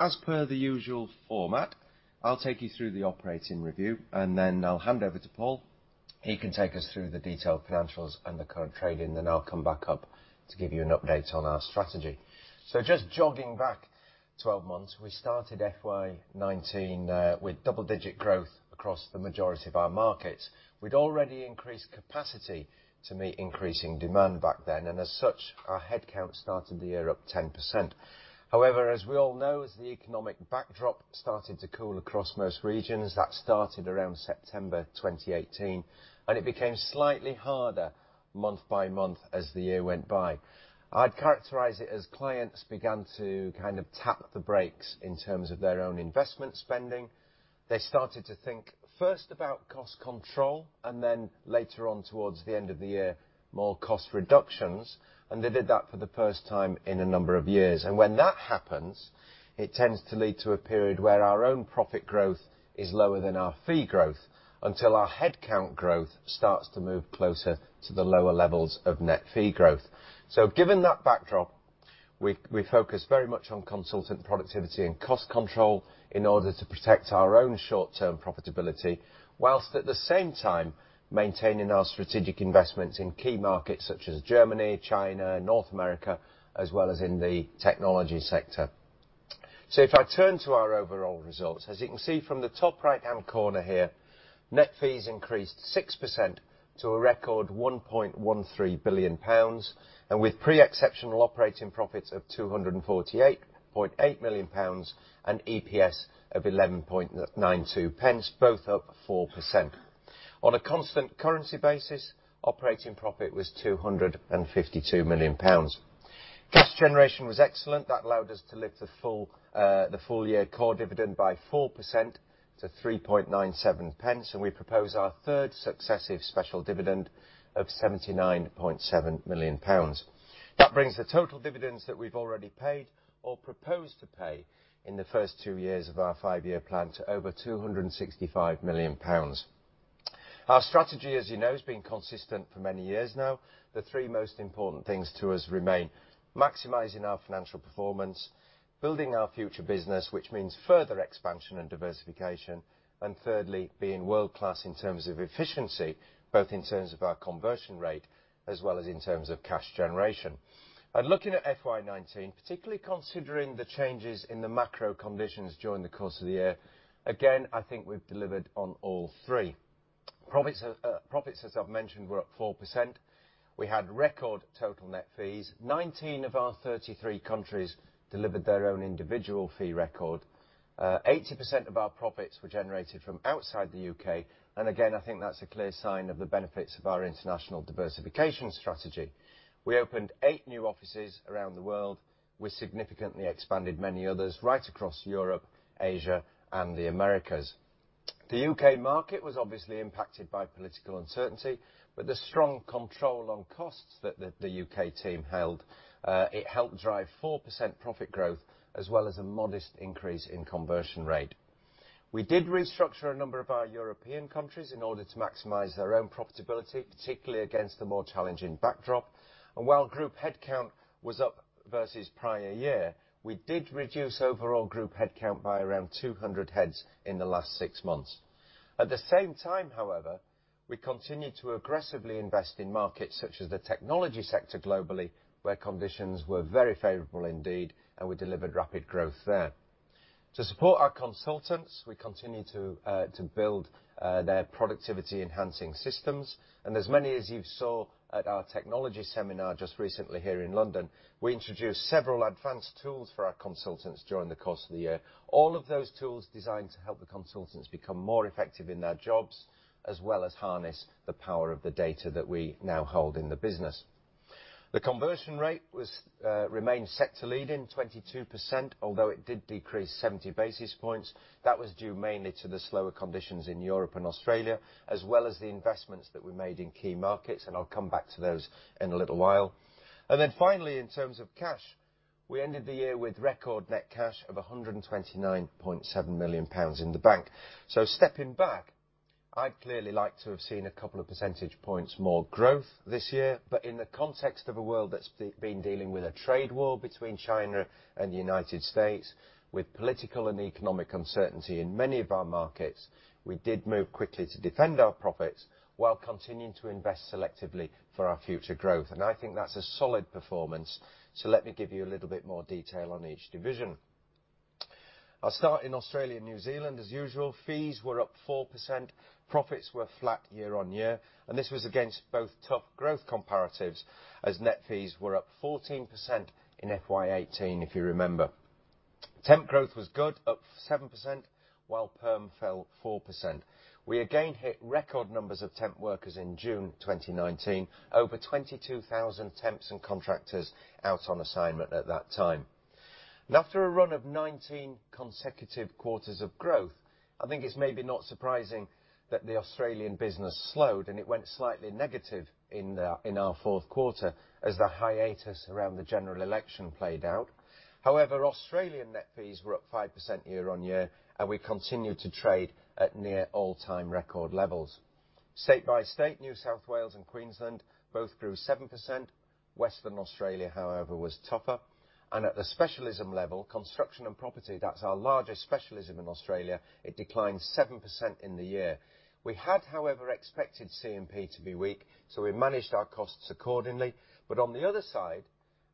As per the usual format, I'll take you through the operating review, and then I'll hand over to Paul. He can take us through the detailed financials and the current trading, then I'll come back up to give you an update on our strategy. Just jogging back 12 months, we started FY 2019 with double-digit growth across the majority of our markets. We'd already increased capacity to meet increasing demand back then. As such, our head count started the year up 10%. However, as we all know, as the economic backdrop started to cool across most regions, that started around September 2018, and it became slightly harder month by month as the year went by. I'd characterize it as clients began to kind of tap the brakes in terms of their own investment spending. They started to think first about cost control, and then later on towards the end of the year, more cost reductions. They did that for the first time in a number of years. When that happens, it tends to lead to a period where our own profit growth is lower than our fee growth until our head count growth starts to move closer to the lower levels of net fee growth. Given that backdrop, we focused very much on consultant productivity and cost control in order to protect our own short-term profitability, whilst at the same time, maintaining our strategic investments in key markets such as Germany, China, North America, as well as in the technology sector. If I turn to our overall results, as you can see from the top right-hand corner here, net fees increased 6% to a record 1.13 billion pounds, with pre-exceptional operating profits of 248.8 million pounds and EPS of 0.1192, both up 4%. On a constant currency basis, operating profit was 252 million pounds. Cash generation was excellent. That allowed us to lift the full year core dividend by 4% to 0.0397. We propose our third successive special dividend of 79.7 million pounds. That brings the total dividends that we've already paid or proposed to pay in the first two years of our five-year plan to over 265 million pounds. Our strategy, as you know, has been consistent for many years now. The three most important things to us remain maximizing our financial performance, building our future business, which means further expansion and diversification, and thirdly, being world-class in terms of efficiency, both in terms of our conversion rate as well as in terms of cash generation. Looking at FY 2019, particularly considering the changes in the macro conditions during the course of the year, again, I think we've delivered on all three. Profits, as I've mentioned, were up 4%. We had record total net fees. 19 of our 33 countries delivered their own individual fee record. 80% of our profits were generated from outside the U.K., again, I think that's a clear sign of the benefits of our international diversification strategy. We opened eight new offices around the world. We significantly expanded many others right across Europe, Asia, and the Americas. The U.K. market was obviously impacted by political uncertainty, the strong control on costs that the U.K. team held, it helped drive 4% profit growth as well as a modest increase in conversion rate. We did restructure a number of our European countries in order to maximize their own profitability, particularly against the more challenging backdrop. While group head count was up versus prior year, we did reduce overall group head count by around 200 heads in the last six months. At the same time, however, we continued to aggressively invest in markets such as the technology sector globally, where conditions were very favorable indeed, we delivered rapid growth there. To support our consultants, we continued to build their productivity enhancing systems, as many as you saw at our technology seminar just recently here in London, we introduced several advanced tools for our consultants during the course of the year. All of those tools designed to help the consultants become more effective in their jobs, as well as harness the power of the data that we now hold in the business. The conversion rate remained sector-leading, 22%, although it did decrease 70 basis points. That was due mainly to the slower conditions in Europe and Australia, as well as the investments that we made in key markets, and I'll come back to those in a little while. Finally, in terms of cash, we ended the year with record net cash of 129.7 million pounds in the bank. Stepping back, I'd clearly like to have seen a couple of percentage points more growth this year, in the context of a world that's been dealing with a trade war between China and the U.S., with political and economic uncertainty in many of our markets, we did move quickly to defend our profits while continuing to invest selectively for our future growth. I think that's a solid performance. Let me give you a little bit more detail on each division. I'll start in Australia and New Zealand as usual. Fees were up 4%, profits were flat year-on-year, this was against both tough growth comparatives as net fees were up 14% in FY 2018, if you remember. Temp growth was good, up 7%, while perm fell 4%. We again hit record numbers of temp workers in June 2019, over 22,000 temps and contractors out on assignment at that time. After a run of 19 consecutive quarters of growth, I think it's maybe not surprising that the Australian business slowed, and it went slightly negative in our fourth quarter as the hiatus around the general election played out. Australian net fees were up 5% year on year, and we continued to trade at near all-time record levels. State by state, New South Wales and Queensland both grew 7%. Western Australia, however, was tougher. At the specialism level, Construction & Property, that's our largest specialism in Australia, it declined 7% in the year. We had, however, expected C&P to be weak, so we managed our costs accordingly. On the other side,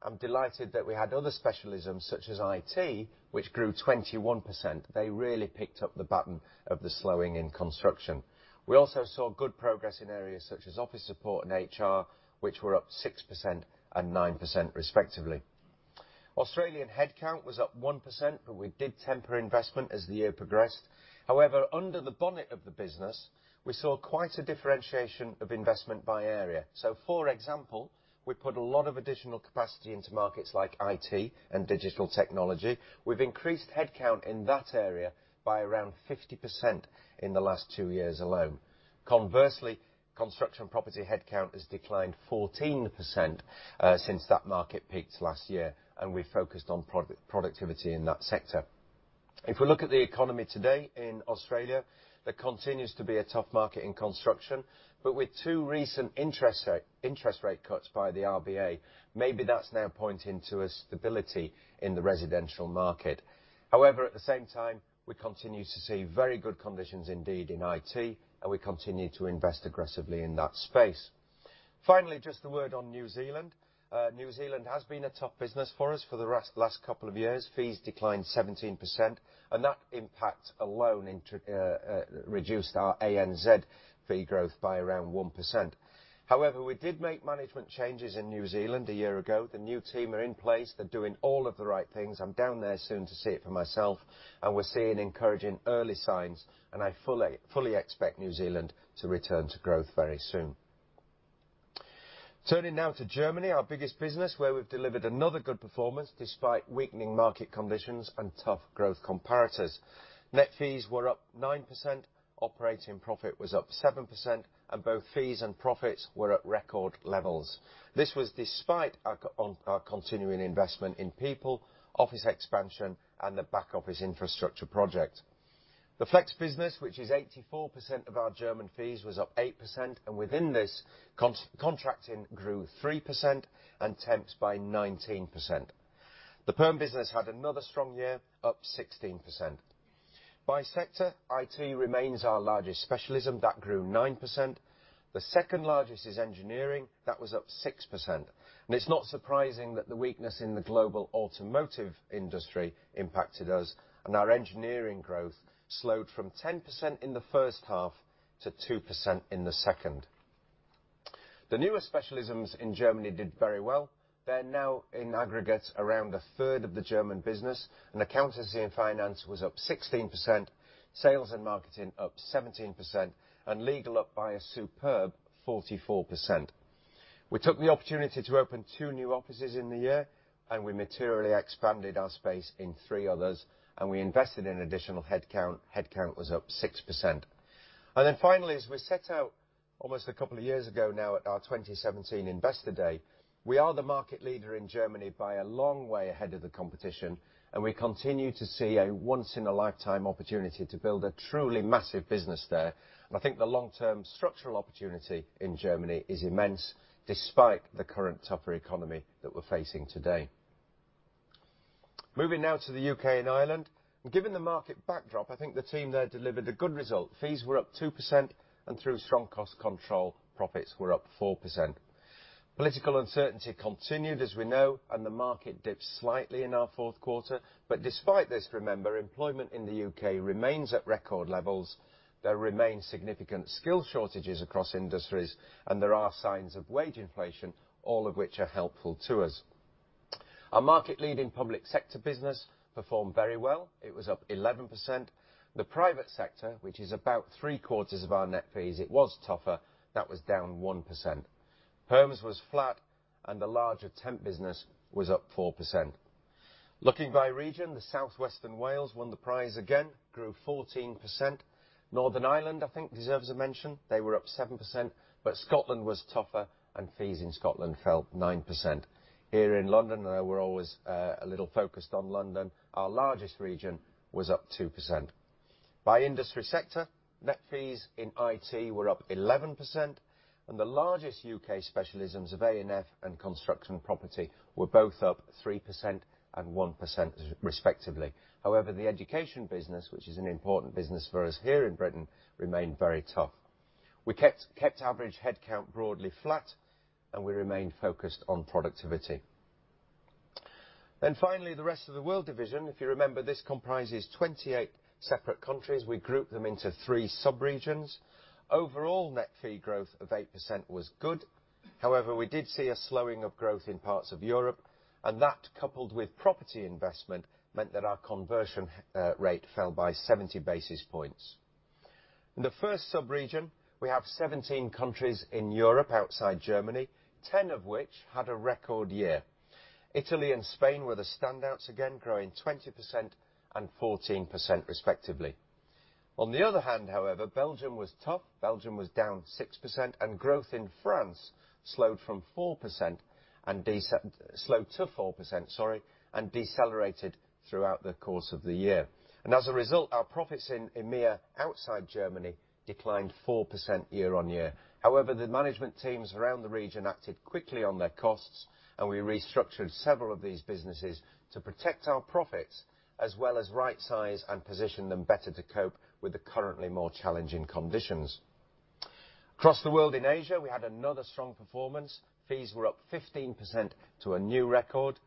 I'm delighted that we had other specialisms such as IT, which grew 21%. They really picked up the baton of the slowing in Construction & Property. We also saw good progress in areas such as office support and HR, which were up 6% and 9% respectively. Australian headcount was up 1%. We did temper investment as the year progressed. Under the bonnet of the business, we saw quite a differentiation of investment by area. For example, we put a lot of additional capacity into markets like IT and digital technology. We've increased headcount in that area by around 50% in the last two years alone. Conversely, Construction & Property headcount has declined 14% since that market peaked last year, and we focused on productivity in that sector. If we look at the economy today in Australia, there continues to be a tough market in construction, but with two recent interest rate cuts by the RBA, maybe that's now pointing to a stability in the residential market. At the same time, we continue to see very good conditions indeed in IT, and we continue to invest aggressively in that space. Finally, just a word on New Zealand. New Zealand has been a tough business for us for the last couple of years. Fees declined 17%, and that impact alone reduced our ANZ fee growth by around 1%. We did make management changes in New Zealand a year ago. The new team are in place. They're doing all of the right things. I'm down there soon to see it for myself, and we're seeing encouraging early signs, and I fully expect New Zealand to return to growth very soon. Turning now to Germany, our biggest business, where we've delivered another good performance despite weakening market conditions and tough growth comparators. Net fees were up 9%, operating profit was up 7%, and both fees and profits were at record levels. This was despite our continuing investment in people, office expansion, and the back-office infrastructure project. The flex business, which is 84% of our German fees, was up 8%, and within this, contracting grew 3% and temps by 19%. The perm business had another strong year, up 16%. By sector, IT remains our largest specialism. That grew 9%. The second largest is engineering. That was up 6%. It's not surprising that the weakness in the global automotive industry impacted us, and our engineering growth slowed from 10% in the first half to 2% in the second. The newer specialisms in Germany did very well. They're now in aggregate around a third of the German business, and Accountancy and Finance was up 16%, Sales and Marketing up 17%, and Legal up by a superb 44%. We took the opportunity to open two new offices in the year, and we materially expanded our space in three others, and we invested in additional headcount. Headcount was up 6%. Finally, as we set out almost a couple of years ago now at our 2017 Investor Day, we are the market leader in Germany by a long way ahead of the competition, and we continue to see a once-in-a-lifetime opportunity to build a truly massive business there. I think the long-term structural opportunity in Germany is immense despite the current tougher economy that we're facing today. Moving now to the U.K. and Ireland, and given the market backdrop, I think the team there delivered a good result. Fees were up 2%, and through strong cost control, profits were up 4%. Political uncertainty continued, as we know, and the market dipped slightly in our fourth quarter. Despite this, remember, employment in the U.K. remains at record levels. There remain significant skill shortages across industries, and there are signs of wage inflation, all of which are helpful to us. Our market-leading public sector business performed very well. It was up 11%. The private sector, which is about three-quarters of our net fees, it was tougher. That was down 1%. Perms was flat, and the larger temp business was up 4%. Looking by region, the South West and Wales won the prize again, grew 14%. Northern Ireland, I think deserves a mention. They were up 7%. Scotland was tougher. Fees in Scotland fell 9%. Here in London, I know we're always a little focused on London, our largest region was up 2%. By industry sector, net fees in IT were up 11%. The largest U.K. specialisms of A&F and Construction & Property were both up 3% and 1% respectively. However, the education business, which is an important business for us here in Britain, remained very tough. We kept average headcount broadly flat. We remained focused on productivity. Finally, the rest of the world division, if you remember, this comprises 28 separate countries. We group them into three sub-regions. Overall, net fee growth of 8% was good. We did see a slowing of growth in parts of Europe, and that coupled with property investment, meant that our conversion rate fell by 70 basis points. In the first sub-region, we have 17 countries in Europe outside Germany, 10 of which had a record year. Italy and Spain were the standouts again, growing 20% and 14% respectively. On the other hand, however, Belgium was tough. Belgium was down 6%, and growth in France slowed to 4% and decelerated throughout the course of the year. As a result, our profits in EMEA, outside Germany, declined 4% year-on-year. The management teams around the region acted quickly on their costs, and we restructured several of these businesses to protect our profits as well as rightsize and position them better to cope with the currently more challenging conditions. Across the world in Asia, we had another strong performance. Fees were up 15% to a new record.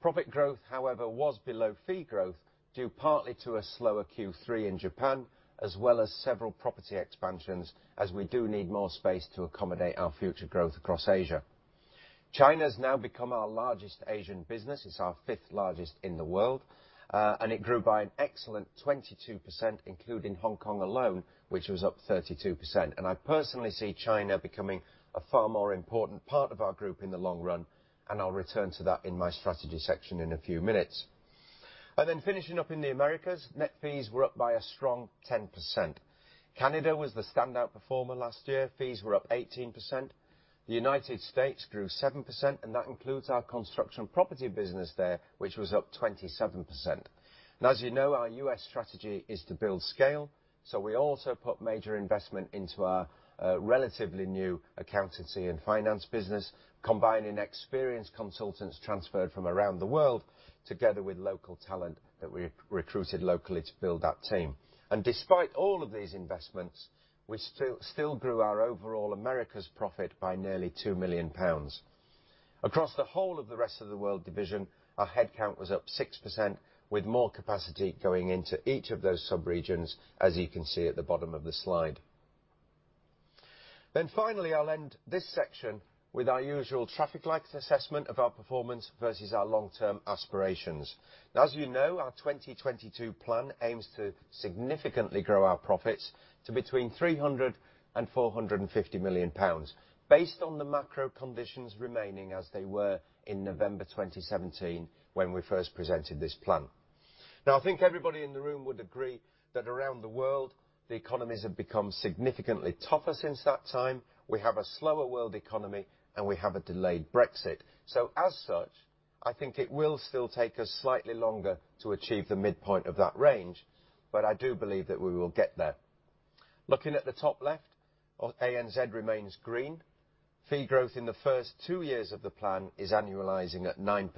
Profit growth, however, was below fee growth, due partly to a slower Q3 in Japan, as well as several property expansions, as we do need more space to accommodate our future growth across Asia. China's now become our largest Asian business. It's our fifth-largest in the world. It grew by an excellent 22%, including Hong Kong alone, which was up 32%. I personally see China becoming a far more important part of our group in the long run, and I'll return to that in my strategy section in a few minutes. Finishing up in the Americas, net fees were up by a strong 10%. Canada was the standout performer last year. Fees were up 18%. The United States grew 7%, and that includes our Construction & Property business there, which was up 27%. As you know, our U.S. strategy is to build scale, we also put major investment into our relatively new Accountancy & Finance business, combining experienced consultants transferred from around the world together with local talent that we recruited locally to build that team. Despite all of these investments, we still grew our overall Americas profit by nearly 2 million pounds. Across the whole of the Rest of the World division, our headcount was up 6%, with more capacity going into each of those sub-regions, as you can see at the bottom of the slide. Finally, I will end this section with our usual traffic light assessment of our performance versus our long-term aspirations. As you know, our 2022 plan aims to significantly grow our profits to between 300 million pounds and 450 million pounds, based on the macro conditions remaining as they were in November 2017 when we first presented this plan. I think everybody in the room would agree that around the world, the economies have become significantly tougher since that time. We have a slower world economy, and we have a delayed Brexit. As such, I think it will still take us slightly longer to achieve the midpoint of that range, but I do believe that we will get there. Looking at the top left, ANZ remains green. Fee growth in the first two years of the plan is annualizing at 9%,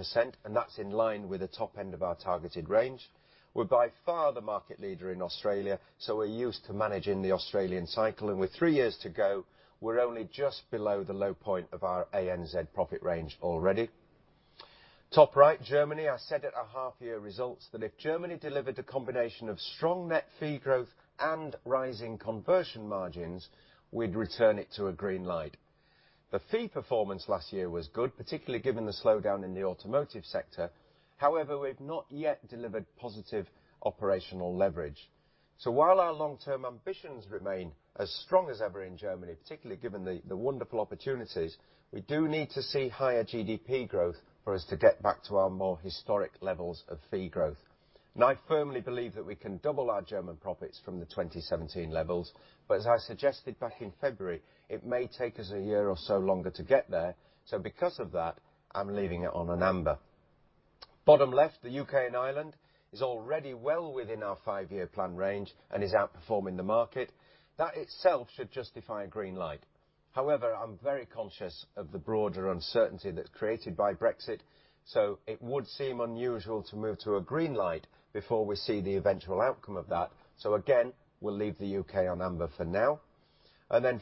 and that's in line with the top end of our targeted range. We're by far the market leader in Australia, so we're used to managing the Australian cycle. With three years to go, we're only just below the low point of our ANZ profit range already. Top right, Germany. I said at our half-year results that if Germany delivered a combination of strong net fee growth and rising conversion margins, we'd return it to a green light. The fee performance last year was good, particularly given the slowdown in the automotive sector. We've not yet delivered positive operational leverage. While our long-term ambitions remain as strong as ever in Germany, particularly given the wonderful opportunities, we do need to see higher GDP growth for us to get back to our more historic levels of fee growth. I firmly believe that we can double our German profits from the 2017 levels, but as I suggested back in February, it may take us a year or so longer to get there. Because of that, I'm leaving it on amber. Bottom left, the U.K. and Ireland is already well within our five-year plan range and is outperforming the market. That itself should justify a green light. However, I'm very conscious of the broader uncertainty that's created by Brexit, it would seem unusual to move to a green light before we see the eventual outcome of that. Again, we'll leave the U.K. on amber for now.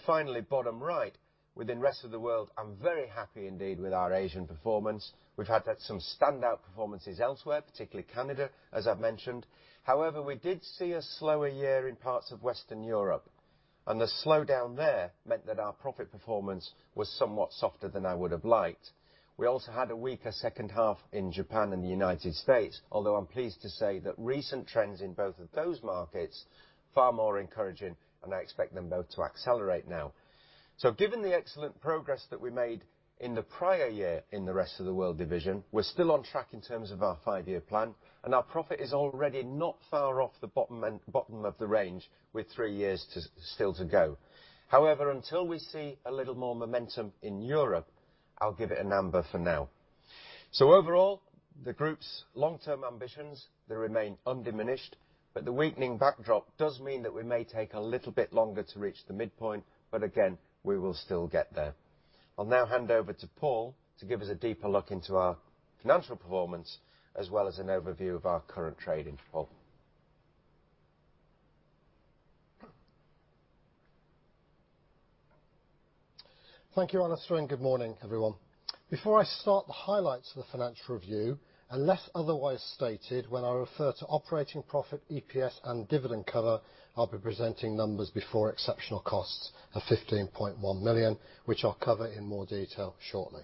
Finally, bottom right. Within Rest of the World, I'm very happy indeed with our Asian performance. We've had some standout performances elsewhere, particularly Canada, as I've mentioned. However, we did see a slower year in parts of Western Europe, the slowdown there meant that our profit performance was somewhat softer than I would have liked. We also had a weaker second half in Japan and the United States, although I'm pleased to say that recent trends in both of those markets, far more encouraging, and I expect them both to accelerate now. Given the excellent progress that we made in the prior year in the Rest of the World Division, we're still on track in terms of our five-year plan, and our profit is already not far off the bottom of the range with three years still to go. Until we see a little more momentum in Europe, I'll give it an amber for now. Overall, the group's long-term ambitions, they remain undiminished. The weakening backdrop does mean that we may take a little bit longer to reach the midpoint, but again, we will still get there. I'll now hand over to Paul to give us a deeper look into our financial performance as well as an overview of our current trading. Paul? Thank you, Alistair, and good morning, everyone. Before I start the highlights of the financial review, unless otherwise stated, when I refer to operating profit, EPS, and dividend cover, I'll be presenting numbers before exceptional costs of 15.1 million, which I'll cover in more detail shortly.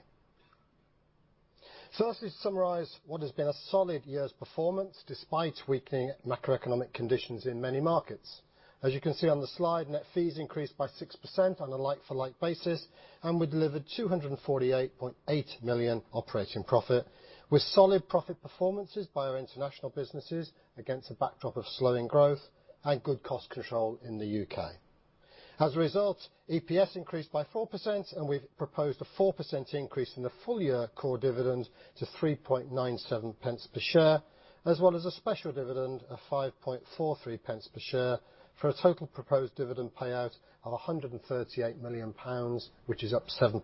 Firstly, to summarize what has been a solid year's performance despite weakening macroeconomic conditions in many markets. As you can see on the slide, net fees increased by 6% on a like-for-like basis, and we delivered 248.8 million operating profit, with solid profit performances by our international businesses against a backdrop of slowing growth and good cost control in the U.K. As a result, EPS increased by 4%, and we've proposed a 4% increase in the full-year core dividend to 0.0397 per share, as well as a special dividend of 0.0543 per share for a total proposed dividend payout of 138 million pounds, which is up 7%.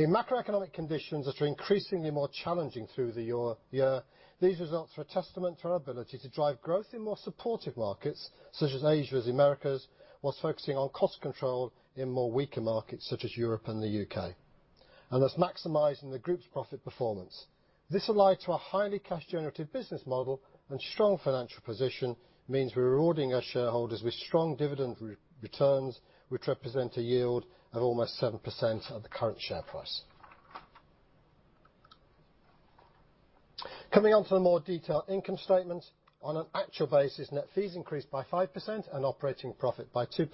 In macroeconomic conditions that are increasingly more challenging through the year, these results are a testament to our ability to drive growth in more supportive markets such as Asia, Americas, while focusing on cost control in more weaker markets such as Europe and the U.K., and thus maximizing the group's profit performance. This, allied to our highly cash generative business model and strong financial position, means we're rewarding our shareholders with strong dividend returns, which represent a yield of almost 7% at the current share price. Coming on to the more detailed income statement. On an actual basis, net fees increased by 5% and operating profit by 2%.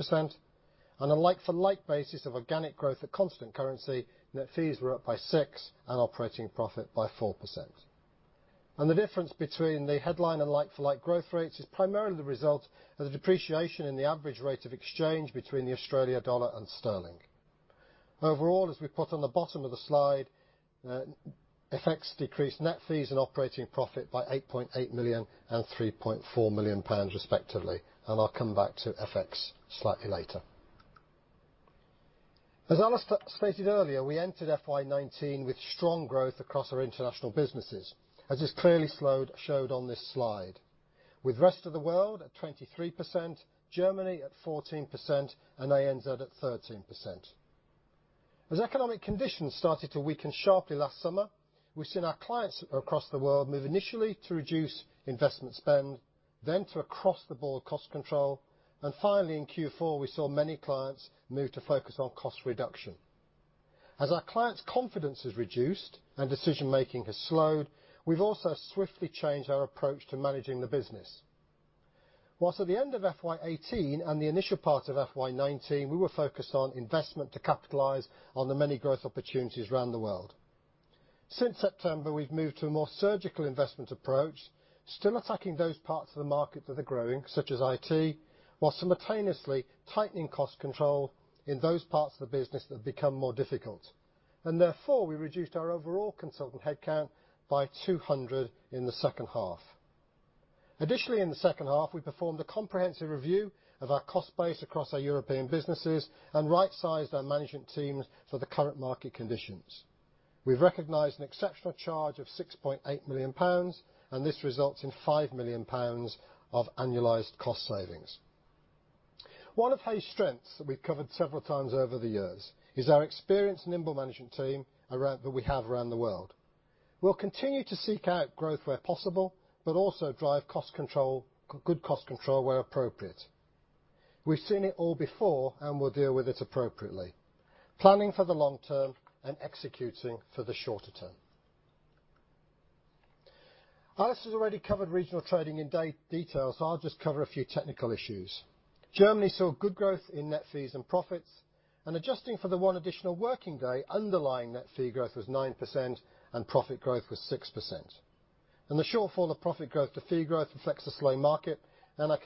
On a like-for-like basis of organic growth at constant currency, net fees were up by 6% and operating profit by 4%. The difference between the headline and like-for-like growth rates is primarily the result of the depreciation in the average rate of exchange between the Australian dollar or sterling. Overall, as we've put on the bottom of the slide, FX decreased net fees and operating profit by 8.8 million and 3.4 million pounds respectively. I'll come back to FX slightly later. As Alistair stated earlier, we entered FY 2019 with strong growth across our international businesses, as is clearly showed on this slide, with rest of the world at 23%, Germany at 14%, and ANZ at 13%. As economic conditions started to weaken sharply last summer, we've seen our clients across the world move initially to reduce investment spend, then to across-the-board cost control. Finally, in Q4, we saw many clients move to focus on cost reduction. As our clients' confidence has reduced and decision making has slowed, we've also swiftly changed our approach to managing the business. Whilst at the end of FY 2018 and the initial part of FY 2019, we were focused on investment to capitalize on the many growth opportunities around the world. Since September, we've moved to a more surgical investment approach, still attacking those parts of the market that are growing, such as IT, while simultaneously tightening cost control in those parts of the business that have become more difficult. Therefore, we reduced our overall consultant headcount by 200 in the second half. Additionally, in the second half, we performed a comprehensive review of our cost base across our European businesses and right-sized our management teams for the current market conditions. We've recognized an exceptional charge of 6.8 million pounds, and this results in 5 million pounds of annualized cost savings. One of Hays' strengths that we've covered several times over the years is our experienced and nimble management team that we have around the world. We'll continue to seek out growth where possible, but also drive good cost control where appropriate. We've seen it all before, and we'll deal with it appropriately, planning for the long term and executing for the shorter term. Alistair's already covered regional trading in detail, so I'll just cover a few technical issues. Germany saw good growth in net fees and profits. Adjusting for the one additional working day, underlying net fee growth was 9% and profit growth was 6%. The shortfall of profit growth to fee growth reflects a slow market and our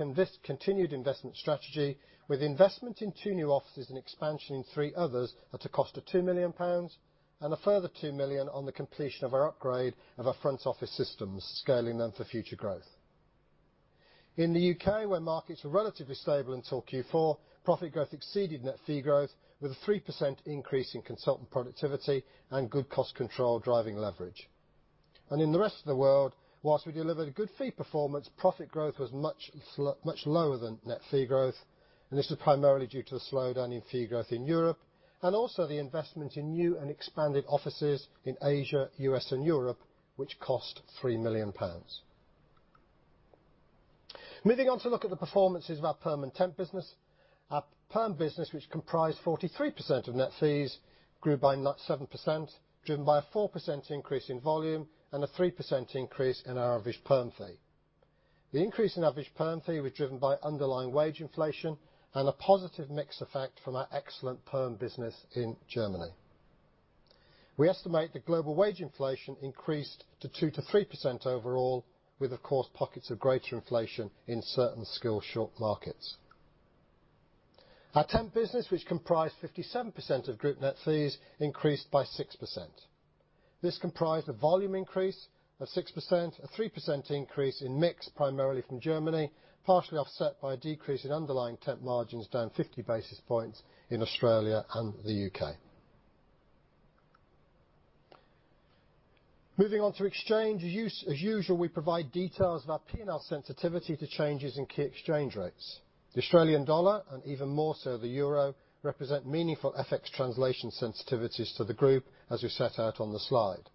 continued investment strategy with investment in two new offices and expansion in three others at a cost of 2 million pounds and a further 2 million on the completion of our upgrade of our front office systems, scaling them for future growth. In the U.K., where markets were relatively stable until Q4, profit growth exceeded net fee growth with a 3% increase in consultant productivity and good cost control driving leverage. In the rest of the world, whilst we delivered a good fee performance, profit growth was much lower than net fee growth, and this is primarily due to the slowdown in fee growth in Europe and also the investment in new and expanded offices in Asia, U.S., and Europe, which cost 3 million pounds. Moving on to look at the performances of our perm and temp business. Our perm business, which comprised 43% of net fees, grew by 7%, driven by a 4% increase in volume and a 3% increase in our average perm fee. The increase in average perm fee was driven by underlying wage inflation and a positive mix effect from our excellent perm business in Germany. We estimate that global wage inflation increased to 2%-3% overall, with, of course, pockets of greater inflation in certain skill short markets. Our temp business, which comprised 57% of group net fees, increased by 6%. This comprised a volume increase of 6%, a 3% increase in mix, primarily from Germany, partially offset by a decrease in underlying temp margins down 50 basis points in Australia and the U.K. Moving on to exchange. As usual, we provide details of our P&L sensitivity to changes in key exchange rates. The Australian dollar, and even more so the euro, represent meaningful FX translation sensitivities to the group, as we set out on the slide.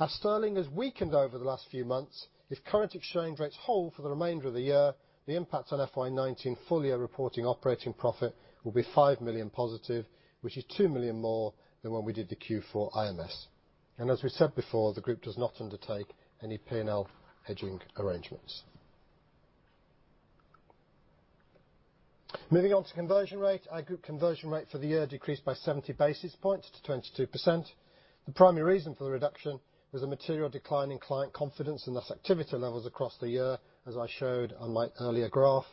As sterling has weakened over the last few months, if current exchange rates hold for the remainder of the year, the impact on FY 2019 full-year reporting operating profit will be 5 million positive, which is 2 million more than when we did the Q4 IMS. As we said before, the group does not undertake any P&L hedging arrangements. Moving on to conversion rate. Our group conversion rate for the year decreased by 70 basis points to 22%. The primary reason for the reduction was a material decline in client confidence and thus activity levels across the year, as I showed on my earlier graph.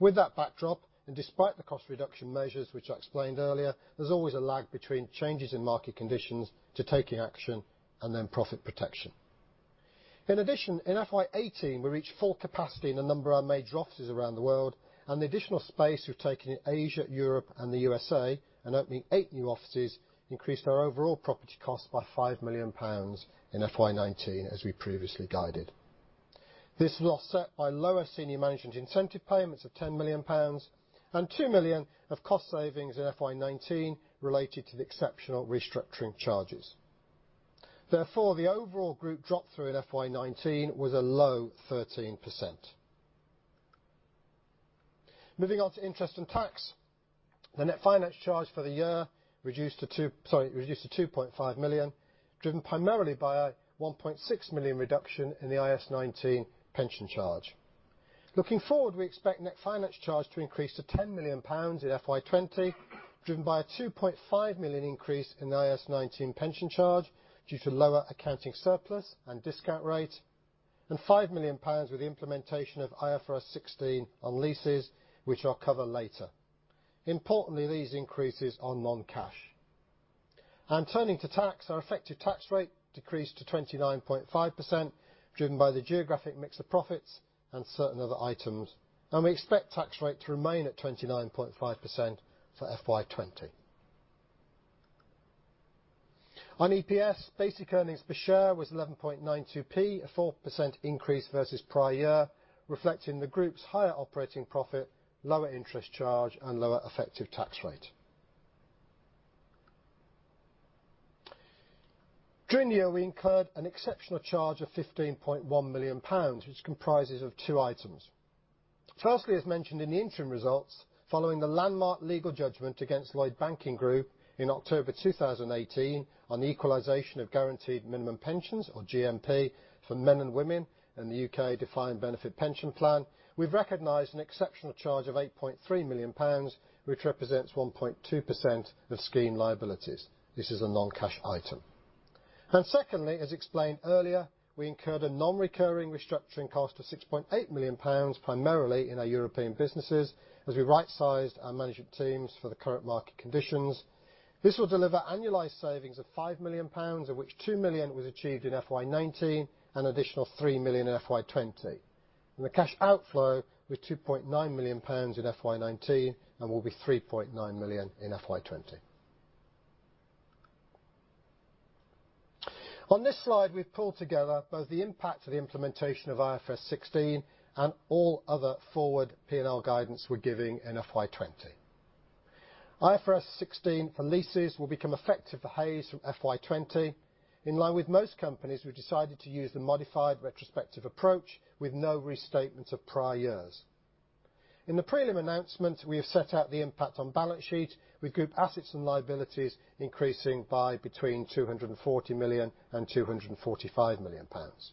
With that backdrop, and despite the cost reduction measures which I explained earlier, there's always a lag between changes in market conditions to taking action and then profit protection. In addition, in FY 2018, we reached full capacity in a number of our major offices around the world, and the additional space we've taken in Asia, Europe, and the U.S.A., and opening eight new offices, increased our overall property costs by 5 million pounds in FY 2019, as we previously guided. This was offset by lower senior management incentive payments of 10 million pounds and 2 million of cost savings in FY 2019 related to the exceptional restructuring charges. Therefore, the overall group drop through in FY 2019 was a low 13%. Moving on to interest and tax. The net finance charge for the year reduced to 2.5 million, driven primarily by a 1.6 million reduction in the IAS 19 pension charge. Looking forward, we expect net finance charge to increase to 10 million pounds in FY 2020, driven by a 2.5 million increase in the IAS 19 pension charge due to lower accounting surplus and discount rate, and 5 million pounds with the implementation of IFRS 16 on leases, which I'll cover later. Importantly, these increases are non-cash. Turning to tax, our effective tax rate decreased to 29.5%, driven by the geographic mix of profits and certain other items, and we expect tax rate to remain at 29.5% for FY 2020. On EPS, basic earnings per share was 0.1192, a 4% increase versus prior year, reflecting the group's higher operating profit, lower interest charge, and lower effective tax rate. During the year, we incurred an exceptional charge of 15.1 million pounds, which comprises of two items. Firstly, as mentioned in the interim results, following the landmark legal judgment against Lloyds Banking Group in October 2018 on the equalization of guaranteed minimum pensions, or GMP, for men and women in the U.K. defined benefit pension plan, we've recognized an exceptional charge of 8.3 million pounds, which represents 1.2% of scheme liabilities. This is a non-cash item. Secondly, as explained earlier, we incurred a non-recurring restructuring cost of 6.8 million pounds, primarily in our European businesses, as we right-sized our management teams for the current market conditions. This will deliver annualized savings of 5 million pounds, of which 2 million was achieved in FY 2019 and additional 3 million in FY 2020. The cash outflow was 2.9 million pounds in FY 2019 and will be 3.9 million in FY 2020. On this slide, we've pulled together both the impact of the implementation of IFRS 16 and all other forward P&L guidance we're giving in FY 2020. IFRS 16 for leases will become effective for Hays from FY 2020. In line with most companies, we've decided to use the modified retrospective approach with no restatement of prior years. In the prelim announcement, we have set out the impact on balance sheet with group assets and liabilities increasing by between 240 million and 245 million pounds.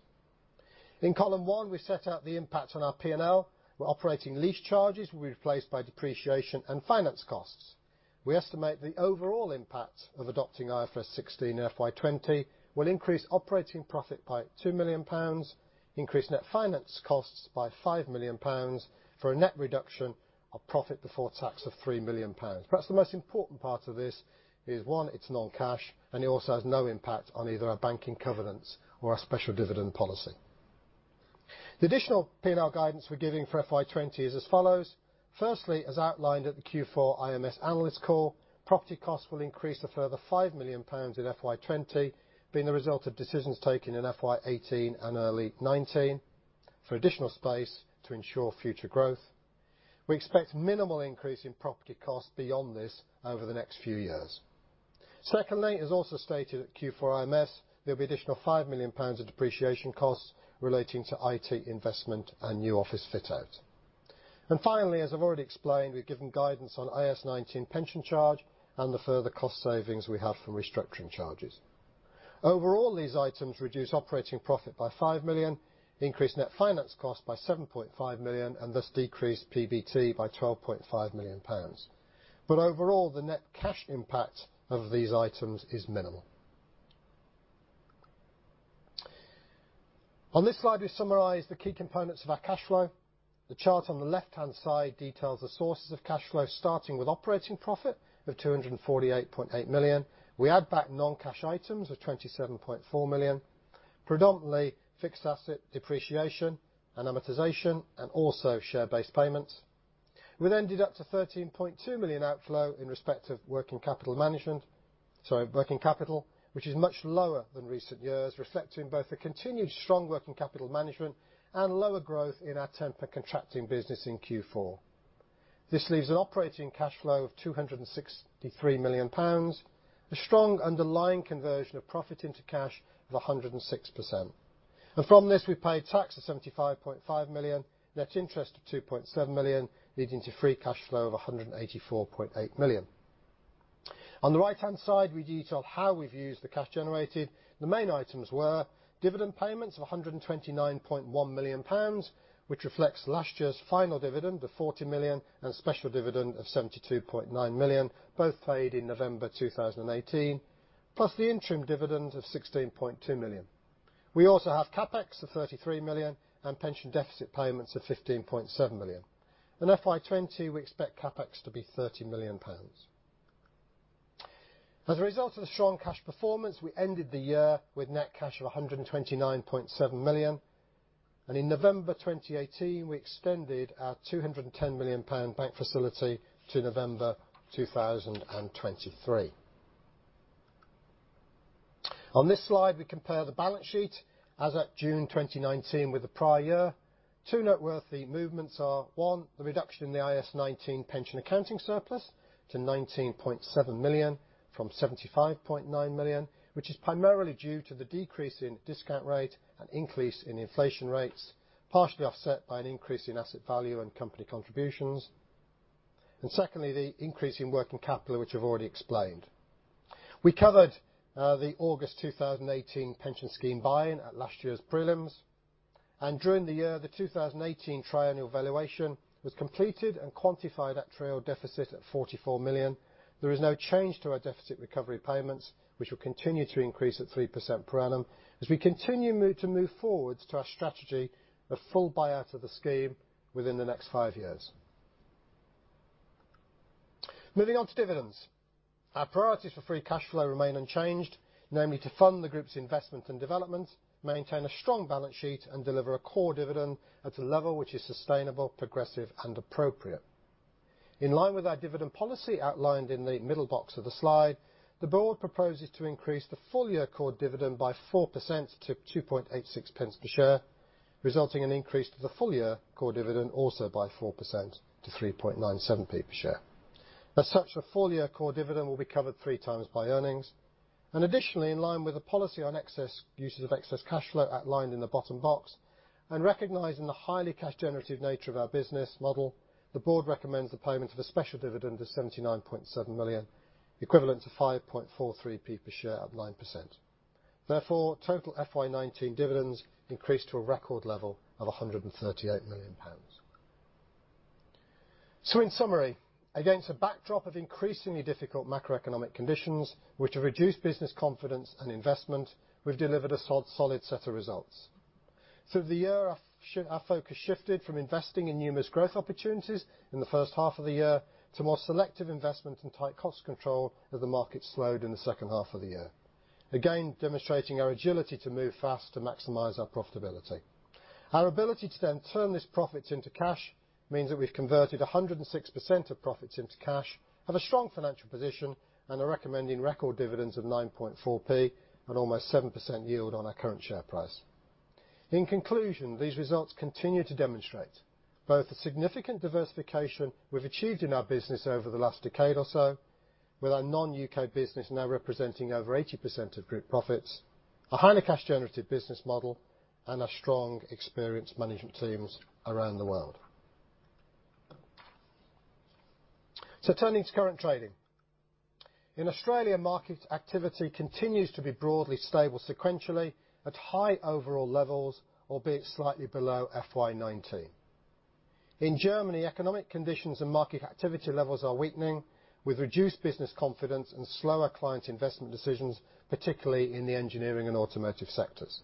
In column one, we set out the impact on our P&L, where operating lease charges will be replaced by depreciation and finance costs. We estimate the overall impact of adopting IFRS 16 in FY 2020 will increase operating profit by 2 million pounds, increase net finance costs by 5 million pounds, for a net reduction of PBT of 3 million pounds. Perhaps the most important part of this is, one, it's non-cash, and it also has no impact on either our banking covenants or our special dividend policy. The additional P&L guidance we're giving for FY 2020 is as follows. Firstly, as outlined at the Q4 IMS analyst call, property costs will increase a further 5 million pounds in FY 2020, being the result of decisions taken in FY 2018 and early 2019 for additional space to ensure future growth. We expect minimal increase in property costs beyond this over the next few years. Secondly, as also stated at Q4 IMS, there'll be additional 5 million pounds of depreciation costs relating to IT investment and new office fit-out. Finally, as I've already explained, we've given guidance on IAS 19 pension charge and the further cost savings we have from restructuring charges. Overall, these items reduce operating profit by 5 million, increase net finance cost by 7.5 million, and thus decrease PBT by 12.5 million pounds. Overall, the net cash impact of these items is minimal. On this slide, we summarize the key components of our cash flow. The chart on the left-hand side details the sources of cash flow, starting with operating profit of 248.8 million. We add back non-cash items of 27.4 million, predominantly fixed asset depreciation and amortization, and also share-based payments. We then deduct a 13.2 million outflow in respect of working capital, which is much lower than recent years, reflecting both the continued strong working capital management and lower growth in our temp and contracting business in Q4. This leaves an operating cash flow of 263 million pounds, a strong underlying conversion of profit into cash of 106%. From this, we paid tax of 75.5 million, net interest of 2.7 million, leading to free cash flow of 184.8 million. On the right-hand side, we detail how we've used the cash generated. The main items were dividend payments of 129.1 million pounds, which reflects last year's final dividend of 40 million and special dividend of 72.9 million, both paid in November 2018, plus the interim dividend of 16.2 million. We also have CapEx of 33 million, and pension deficit payments of 15.7 million. In FY 2020, we expect CapEx to be 30 million pounds. As a result of the strong cash performance, we ended the year with net cash of 129.7 million, and in November 2018, we extended our GBP 210 million bank facility to November 2023. On this slide, we compare the balance sheet as at June 2019 with the prior year. Two noteworthy movements are, one, the reduction in the IAS 19 pension accounting surplus to 19.7 million from 75.9 million, which is primarily due to the decrease in discount rate and increase in inflation rates, partially offset by an increase in asset value and company contributions. Secondly, the increase in working capital, which I've already explained. We covered the August 2018 pension scheme buy-in at last year's prelims, and during the year, the 2018 triennial valuation was completed and quantified actuarial deficit at 44 million. There is no change to our deficit recovery payments, which will continue to increase at 3% per annum as we continue to move forwards to our strategy of full buyout of the scheme within the next five years. Moving on to dividends. Our priorities for free cash flow remain unchanged, namely, to fund the group's investment and development, maintain a strong balance sheet, and deliver a core dividend at a level which is sustainable, progressive, and appropriate. In line with our dividend policy outlined in the middle box of the slide, the board proposes to increase the full-year core dividend by 4% to 0.0286 per share, resulting in increase to the full-year core dividend also by 4% to 0.0397 per share. As such, a full-year core dividend will be covered three times by earnings. Additionally, in line with the policy on uses of excess cash flow outlined in the bottom box, and recognizing the highly cash generative nature of our business model, the board recommends the payment of a special dividend of 79.7 million, equivalent to 0.0543 per share at 9%. Therefore, total FY 2019 dividends increased to a record level of 138 million pounds. In summary, against a backdrop of increasingly difficult macroeconomic conditions, which have reduced business confidence and investment, we've delivered a solid set of results. Through the year, our focus shifted from investing in numerous growth opportunities in the first half of the year to more selective investment and tight cost control as the market slowed in the second half of the year, again demonstrating our agility to move fast to maximize our profitability. Our ability to turn this profits into cash means that we've converted 106% of profits into cash, have a strong financial position, and are recommending record dividends of 0.094 at almost 7% yield on our current share price. In conclusion, these results continue to demonstrate both the significant diversification we've achieved in our business over the last decade or so with our non-U.K. business now representing over 80% of group profits, a highly cash generative business model, and our strong, experienced management teams around the world. Turning to current trading. In Australia, market activity continues to be broadly stable sequentially at high overall levels, albeit slightly below FY 2019. In Germany, economic conditions and market activity levels are weakening with reduced business confidence and slower client investment decisions, particularly in the engineering and automotive sectors.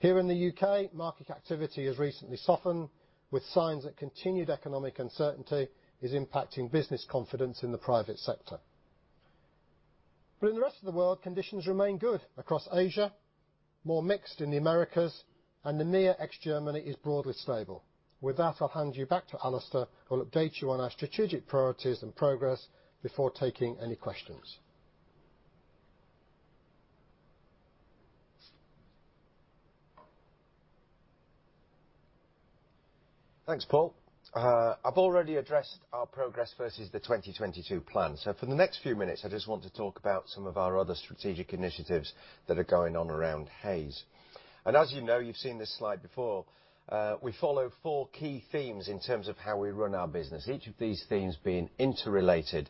Here in the U.K., market activity has recently softened with signs that continued economic uncertainty is impacting business confidence in the private sector. In the rest of the world, conditions remain good across Asia, more mixed in the Americas, and the EMEA ex-Germany is broadly stable. With that, I'll hand you back to Alistair, who will update you on our strategic priorities and progress before taking any questions. Thanks, Paul. I've already addressed our progress versus the 2022 plan. For the next few minutes, I just want to talk about some of our other strategic initiatives that are going on around Hays. As you know, you've seen this slide before, we follow four key themes in terms of how we run our business, each of these themes being interrelated,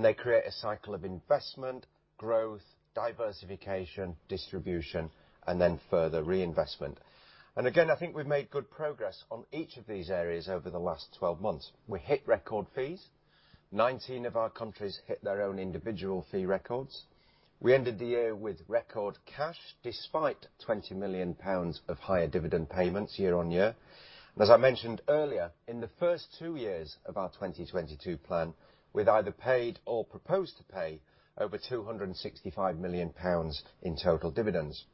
they create a cycle of investment, growth, diversification, distribution, then further reinvestment. Again, I think we've made good progress on each of these areas over the last 12 months. We hit record fees. 19 of our countries hit their own individual fee records. We ended the year with record cash despite 20 million pounds of higher dividend payments year-on-year. As I mentioned earlier, in the first two years of our 2022 plan, we've either paid or proposed to pay over 265 million pounds in total dividends.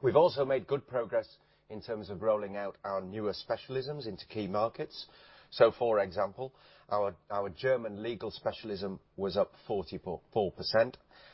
We've also made good progress in terms of rolling out our newer specialisms into key markets. For example, our German legal specialism was up 44%,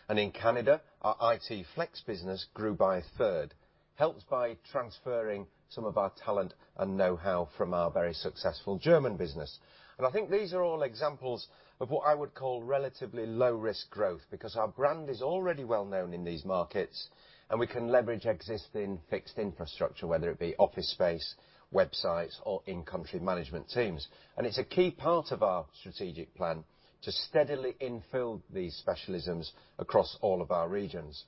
and in Canada, our IT flex business grew by a third, helped by transferring some of our talent and know-how from our very successful German business. I think these are all examples of what I would call relatively low-risk growth because our brand is already well-known in these markets, and we can leverage existing fixed infrastructure, whether it be office space, websites, or in-country management teams. It's a key part of our strategic plan to steadily infill these specialisms across all of our regions.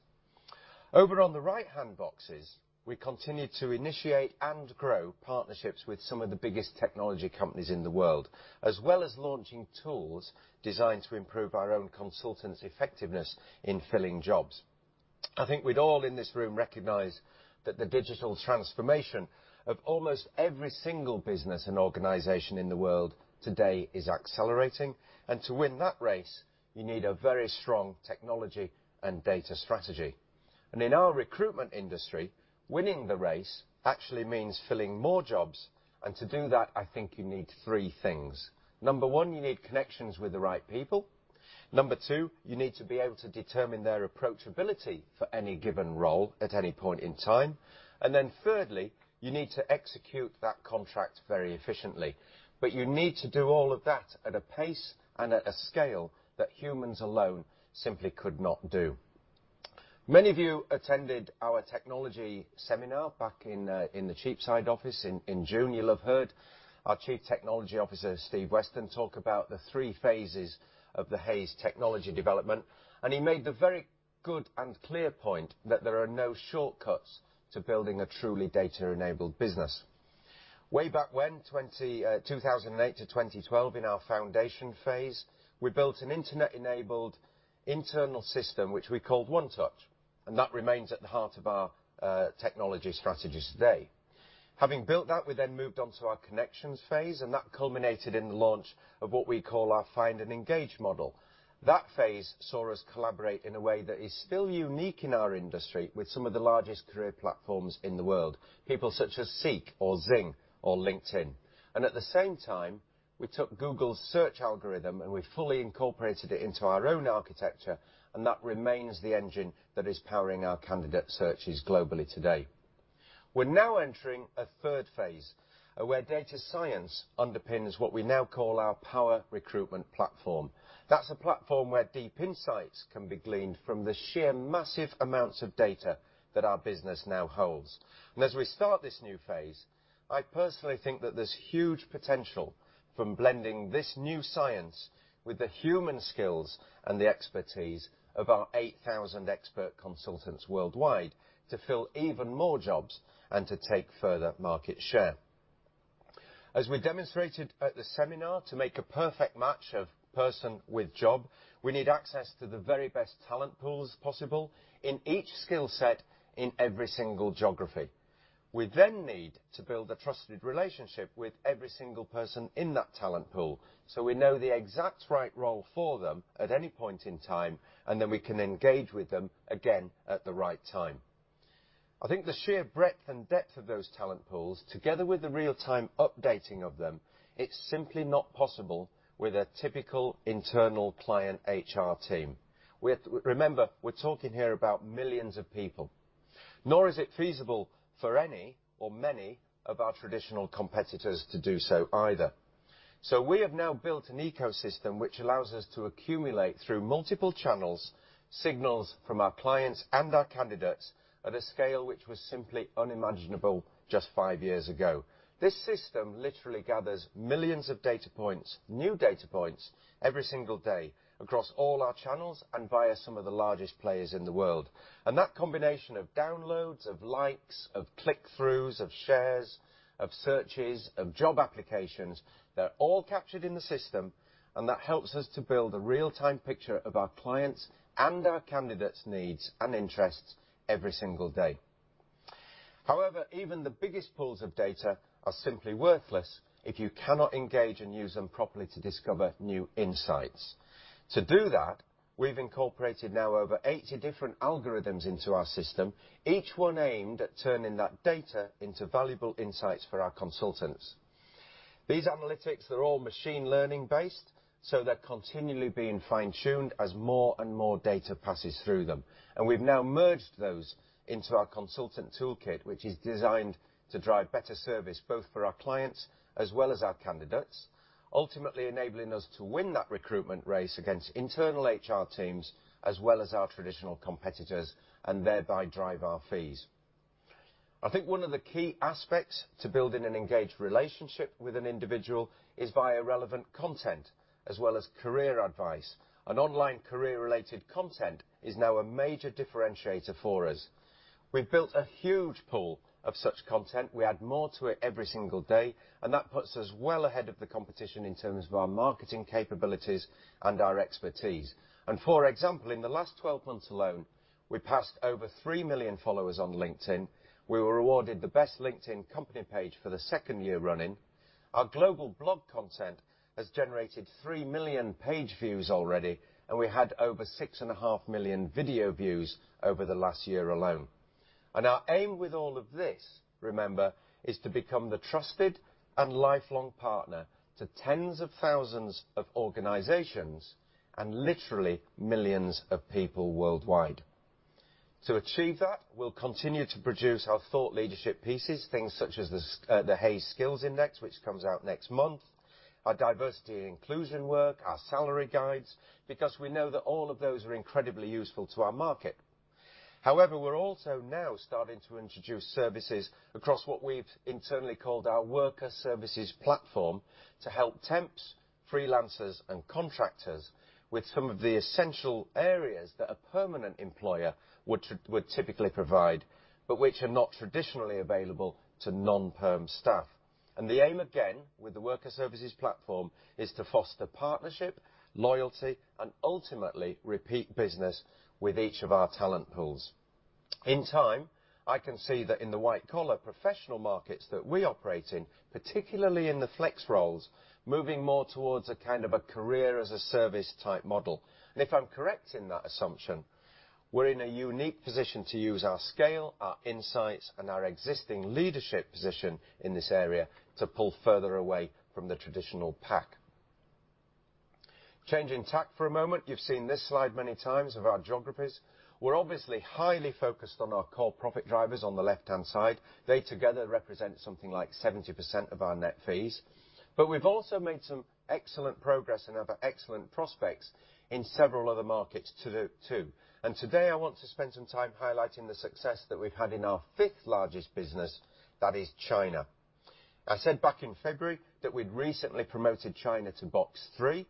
Over on the right-hand boxes, we continue to initiate and grow partnerships with some of the biggest technology companies in the world, as well as launching tools designed to improve our own consultants' effectiveness in filling jobs. I think we'd all in this room recognize that the digital transformation of almost every single business and organization in the world today is accelerating. To win that race, you need a very strong technology and data strategy. In our recruitment industry, winning the race actually means filling more jobs. To do that, I think you need three things. Number one, you need connections with the right people. Number two, you need to be able to determine their approachability for any given role at any point in time. Thirdly, you need to execute that contract very efficiently. You need to do all of that at a pace and at a scale that humans alone simply could not do. Many of you attended our technology seminar back in the Cheapside office in June. You'll have heard our Chief Technology Officer, Steve Weston, talk about the three phases of the Hays technology development, and he made the very good and clear point that there are no shortcuts to building a truly data-enabled business. Way back when, 2008 to 2012, in our foundation phase, we built an internet-enabled internal system, which we called OneTouch, and that remains at the heart of our technology strategy today. Having built that, we then moved on to our connections phase, and that culminated in the launch of what we call our Find & Engage model. That phase saw us collaborate in a way that is still unique in our industry with some of the largest career platforms in the world, people such as SEEK or XING or LinkedIn. At the same time, we took Google's search algorithm, and we fully incorporated it into our own architecture, and that remains the engine that is powering our candidate searches globally today. We're now entering a third phase, where data science underpins what we now call our Power Recruitment Platform. That's a platform where deep insights can be gleaned from the sheer massive amounts of data that our business now holds. As we start this new phase, I personally think that there's huge potential from blending this new science with the human skills and the expertise of our 8,000 expert consultants worldwide to fill even more jobs and to take further market share. As we demonstrated at the seminar, to make a perfect match of person with job, we need access to the very best talent pools possible in each skill set, in every single geography. We then need to build a trusted relationship with every single person in that talent pool so we know the exact right role for them at any point in time, and then we can engage with them again at the right time. I think the sheer breadth and depth of those talent pools, together with the real-time updating of them, it is simply not possible with a typical internal client HR team. Remember, we are talking here about millions of people. Nor is it feasible for any or many of our traditional competitors to do so either. We have now built an ecosystem which allows us to accumulate, through multiple channels, signals from our clients and our candidates at a scale which was simply unimaginable just five years ago. This system literally gathers millions of data points, new data points, every single day across all our channels and via some of the largest players in the world. That combination of downloads, of likes, of click-throughs, of shares, of searches, of job applications, they're all captured in the system, and that helps us to build a real-time picture of our clients' and our candidates' needs and interests every single day. However, even the biggest pools of data are simply worthless if you cannot engage and use them properly to discover new insights. To do that, we've incorporated now over 80 different algorithms into our system, each one aimed at turning that data into valuable insights for our consultants. These analytics are all machine learning based, so they're continually being fine-tuned as more and more data passes through them. We've now merged those into our consultant toolkit, which is designed to drive better service both for our clients as well as our candidates, ultimately enabling us to win that recruitment race against internal HR teams as well as our traditional competitors, and thereby drive our fees. I think one of the key aspects to building an engaged relationship with an individual is via relevant content as well as career advice. Online career-related content is now a major differentiator for us. We've built a huge pool of such content. We add more to it every single day, and that puts us well ahead of the competition in terms of our marketing capabilities and our expertise. For example, in the last 12 months alone, we passed over 3 million followers on LinkedIn. We were awarded the best LinkedIn company page for the second year running. Our global blog content has generated 3 million page views already, and we had over 6.5 million video views over the last year alone. Our aim with all of this, remember, is to become the trusted and lifelong partner to tens of thousands of organizations and literally millions of people worldwide. To achieve that, we'll continue to produce our thought leadership pieces, things such as the Hays Skills Index, which comes out next month, our diversity and inclusion work, our salary guides, because we know that all of those are incredibly useful to our market. We're also now starting to introduce services across what we've internally called our Worker Services Platform to help temps, freelancers, and contractors with some of the essential areas that a permanent employer would typically provide but which are not traditionally available to non-perm staff. The aim, again, with the Worker Services Platform, is to foster partnership, loyalty, and ultimately repeat business with each of our talent pools. In time, I can see that in the white collar professional markets that we operate in, particularly in the flex roles, moving more towards a kind of career as a service type model. If I'm correct in that assumption, we're in a unique position to use our scale, our insights, and our existing leadership position in this area to pull further away from the traditional pack. Changing tack for a moment, you've seen this slide many times of our geographies. We're obviously highly focused on our core profit drivers on the left-hand side. They together represent something like 70% of our net fees, but we've also made some excellent progress and have excellent prospects in several other markets too. Today I want to spend some time highlighting the success that we've had in our fifth largest business, that is China. I said back in February that we'd recently promoted China to box 3.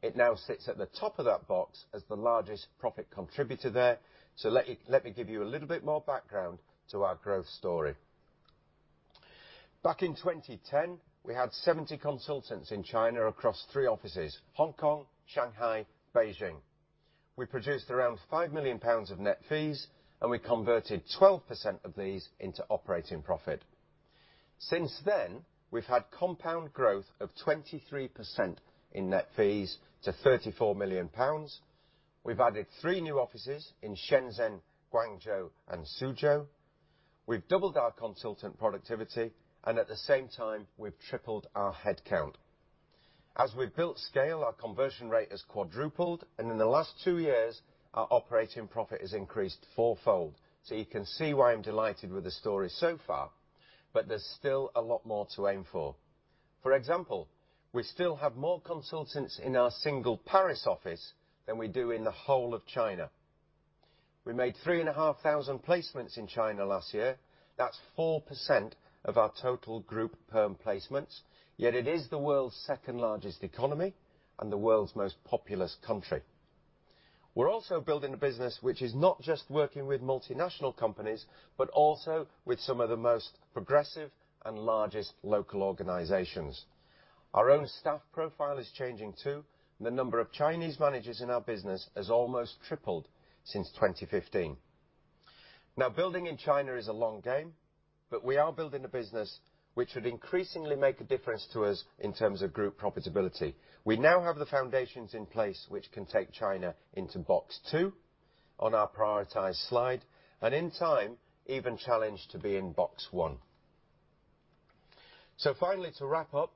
It now sits at the top of that box as the largest profit contributor there. Let me give you a little bit more background to our growth story. Back in 2010, we had 70 consultants in China across three offices, Hong Kong, Shanghai, Beijing. We produced around 5 million pounds of net fees, and we converted 12% of these into operating profit. Since then, we've had compound growth of 23% in net fees to 34 million pounds. We've added three new offices in Shenzhen, Guangzhou and Suzhou. We've doubled our consultant productivity, and at the same time, we've tripled our headcount. As we've built scale, our conversion rate has quadrupled, and in the last two years, our operating profit has increased fourfold. You can see why I'm delighted with the story so far, but there's still a lot more to aim for. For example, we still have more consultants in our single Paris office than we do in the whole of China. We made 3,500 placements in China last year. That's 4% of our total group perm placements. It is the world's second largest economy and the world's most populous country. We're also building a business which is not just working with multinational companies, but also with some of the most progressive and largest local organizations. Our own staff profile is changing too. The number of Chinese managers in our business has almost tripled since 2015. Now, building in China is a long game. We are building a business which would increasingly make a difference to us in terms of group profitability. We now have the foundations in place which can take China into box 2 on our prioritized slide, and in time, even challenge to be in box 1. Finally, to wrap up,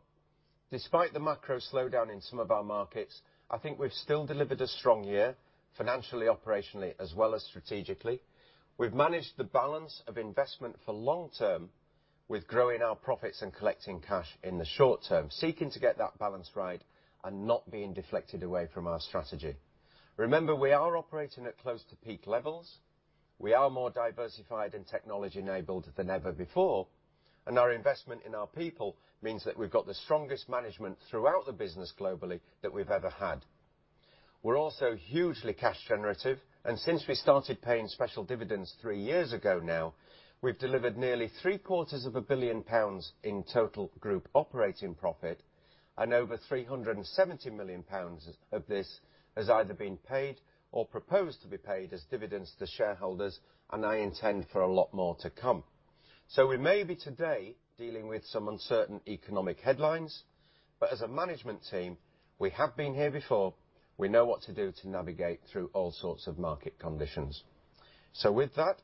despite the macro slowdown in some of our markets, I think we've still delivered a strong year financially, operationally, as well as strategically. We've managed the balance of investment for long-term with growing our profits and collecting cash in the short term, seeking to get that balance right and not being deflected away from our strategy. Remember, we are operating at close to peak levels. We are more diversified and technology-enabled than ever before, our investment in our people means that we've got the strongest management throughout the business globally that we've ever had. We're also hugely cash generative. Since we started paying special dividends three years ago now, we've delivered nearly 750 million pounds in total group operating profit, and over 370 million pounds of this has either been paid or proposed to be paid as dividends to shareholders, and I intend for a lot more to come. We may be today dealing with some uncertain economic headlines, but as a management team, we have been here before. We know what to do to navigate through all sorts of market conditions. With that,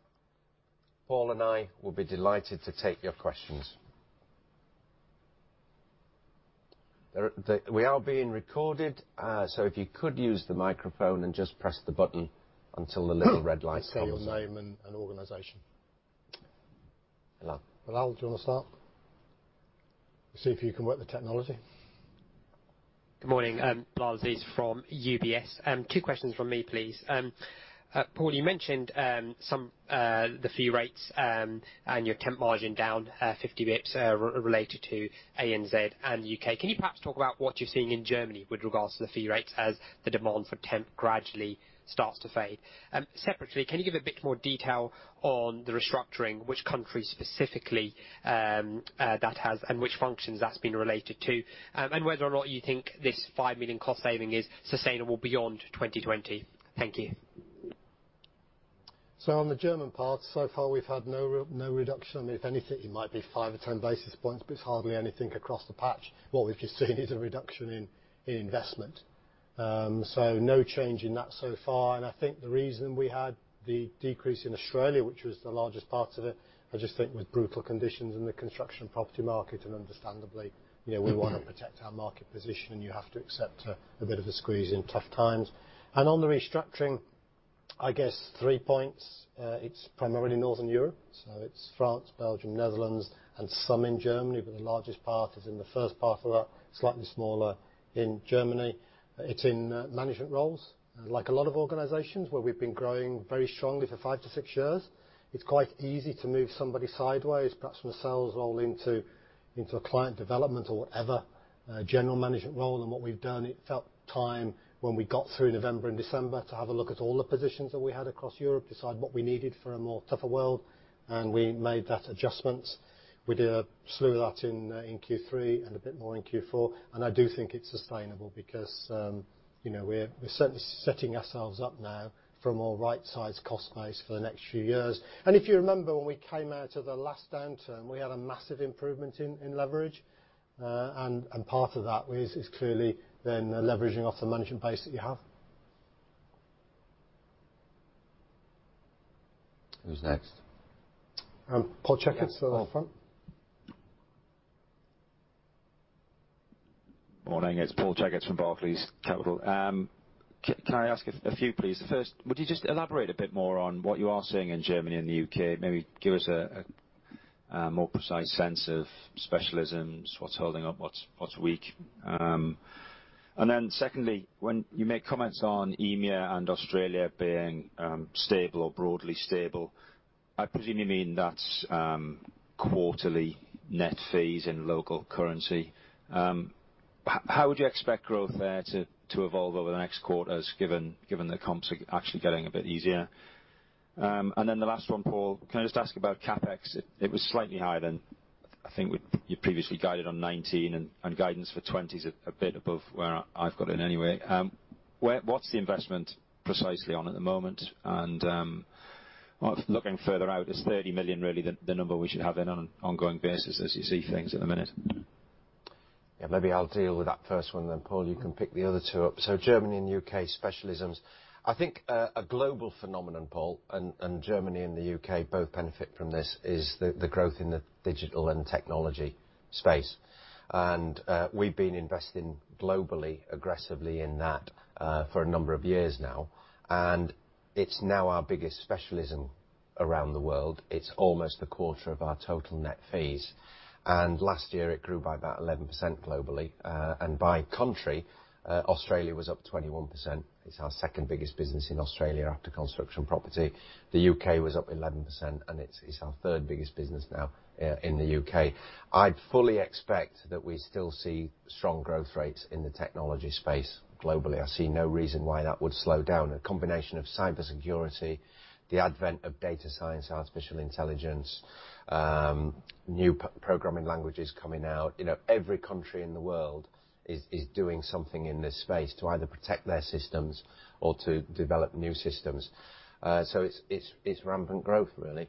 Paul and I will be delighted to take your questions. We are being recorded, so if you could use the microphone and just press the button until the little red light comes on. Say your name and organization. Hello. Bilal, do you want to start? See if you can work the technology. Good morning, Bilal Aziz from UBS. Two questions from me, please. Paul, you mentioned the fee rates and your temp margin down 50 basis points related to ANZ and U.K. Can you perhaps talk about what you're seeing in Germany with regards to the fee rates as the demand for temp gradually starts to fade? Separately, can you give a bit more detail on the restructuring, which countries specifically that has and which functions that's been related to? Whether or not you think this 5 million cost saving is sustainable beyond 2020. Thank you. On the German part, so far we've had no reduction. If anything, it might be five or 10 basis points, but it's hardly anything across the patch. What we've just seen is a reduction in investment. No change in that so far. I think the reason we had the decrease in Australia, which was the largest part of it, I just think with brutal conditions in the Construction & Property market, and understandably, we want to protect our market position, and you have to accept a bit of a squeeze in tough times. On the restructuring, I guess three points. It's primarily Northern Europe, so it's France, Belgium, Netherlands, and some in Germany, but the largest part is in the first part of that, slightly smaller in Germany. It's in management roles. Like a lot of organizations where we've been growing very strongly for five to six years, it's quite easy to move somebody sideways, perhaps from a sales role into a client development or whatever, general management role. What we've done, it felt time when we got through November and December to have a look at all the positions that we had across Europe, decide what we needed for a more tougher world, and we made that adjustment. We did a slew of that in Q3 and a bit more in Q4, I do think it's sustainable because we're certainly setting ourselves up now for a more right-sized cost base for the next few years. If you remember, when we came out of the last downturn, we had a massive improvement in leverage. Part of that is clearly then leveraging off the management base that you have. Who's next? Paul Checketts, sir, the front. Morning, it's Paul Checketts from Barclays Capital. Can I ask a few, please? First, would you just elaborate a bit more on what you are seeing in Germany and the U.K.? Maybe give us a more precise sense of specialisms, what's holding up, what's weak. Secondly, when you make comments on EMEA and Australia being stable or broadly stable, I presume you mean that's quarterly net fees in local currency. How would you expect growth there to evolve over the next quarters, given the comps are actually getting a bit easier? The last one, Paul, can I just ask about CapEx? It was slightly higher than I think what you previously guided on 2019, and guidance for 2020 is a bit above where I've got it anyway. What's the investment precisely on at the moment? Looking further out, is 30 million really the number we should have in on an ongoing basis as you see things at the minute? Yeah, maybe I'll deal with that first one, then Paul, you can pick the other two up. Germany and U.K. specialisms, I think a global phenomenon, Paul, and Germany and the U.K. both benefit from this, is the growth in the digital and technology space. We've been investing globally, aggressively in that for a number of years now, and it's now our biggest specialism around the world. It's almost a quarter of our total net fees. Last year it grew by about 11% globally. By country, Australia was up 21%. It's our second biggest business in Australia after Construction & Property. The U.K. was up 11% and it's our third biggest business now in the U.K. I'd fully expect that we still see strong growth rates in the technology space globally. I see no reason why that would slow down. A combination of cybersecurity, the advent of data science, artificial intelligence, new programming languages coming out. Every country in the world is doing something in this space to either protect their systems or to develop new systems. It's rampant growth, really.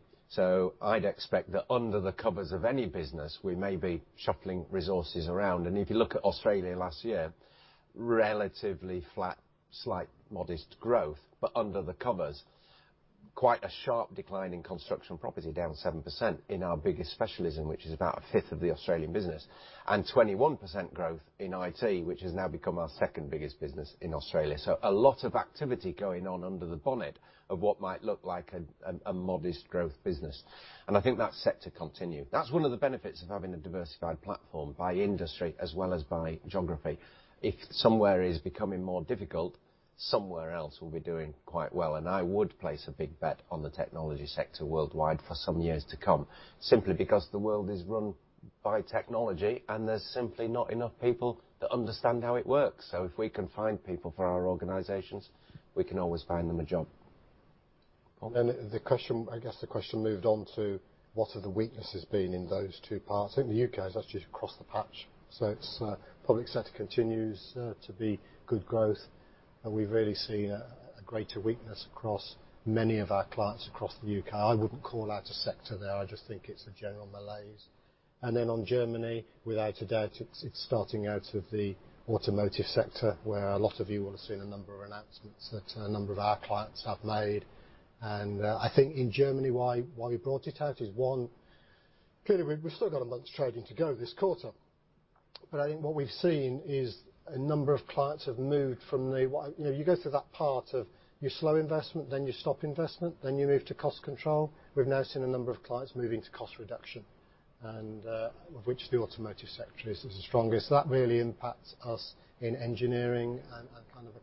I'd expect that under the covers of any business, we may be shuffling resources around. If you look at Australia last year, relatively flat, slight modest growth. Under the covers, quite a sharp decline in Construction & Property, down 7% in our biggest specialism, which is about a fifth of the Australian business. 21% growth in IT, which has now become our second biggest business in Australia. A lot of activity going on under the bonnet of what might look like a modest growth business. I think that's set to continue. That's one of the benefits of having a diversified platform by industry as well as by geography. If somewhere is becoming more difficult, somewhere else will be doing quite well, and I would place a big bet on the technology sector worldwide for some years to come, simply because the world is run by technology, and there's simply not enough people that understand how it works. If we can find people for our organizations, we can always find them a job. I guess the question moved on to what are the weaknesses being in those two parts? In the U.K., that's just across the patch. Its public sector continues to be good growth, and we've really seen a greater weakness across many of our clients across the U.K. I wouldn't call out a sector there. I just think it's a general malaise. On Germany, without a doubt, it's starting out of the automotive sector, where a lot of you will have seen a number of announcements that a number of our clients have made. I think in Germany, why we brought it out is, one, clearly we've still got a month's trading to go this quarter. I think what we've seen is a number of clients have moved from the slow investment, then you stop investment, then you move to cost control. We've now seen a number of clients moving to cost reduction, of which the automotive sector is the strongest. That really impacts us in engineering and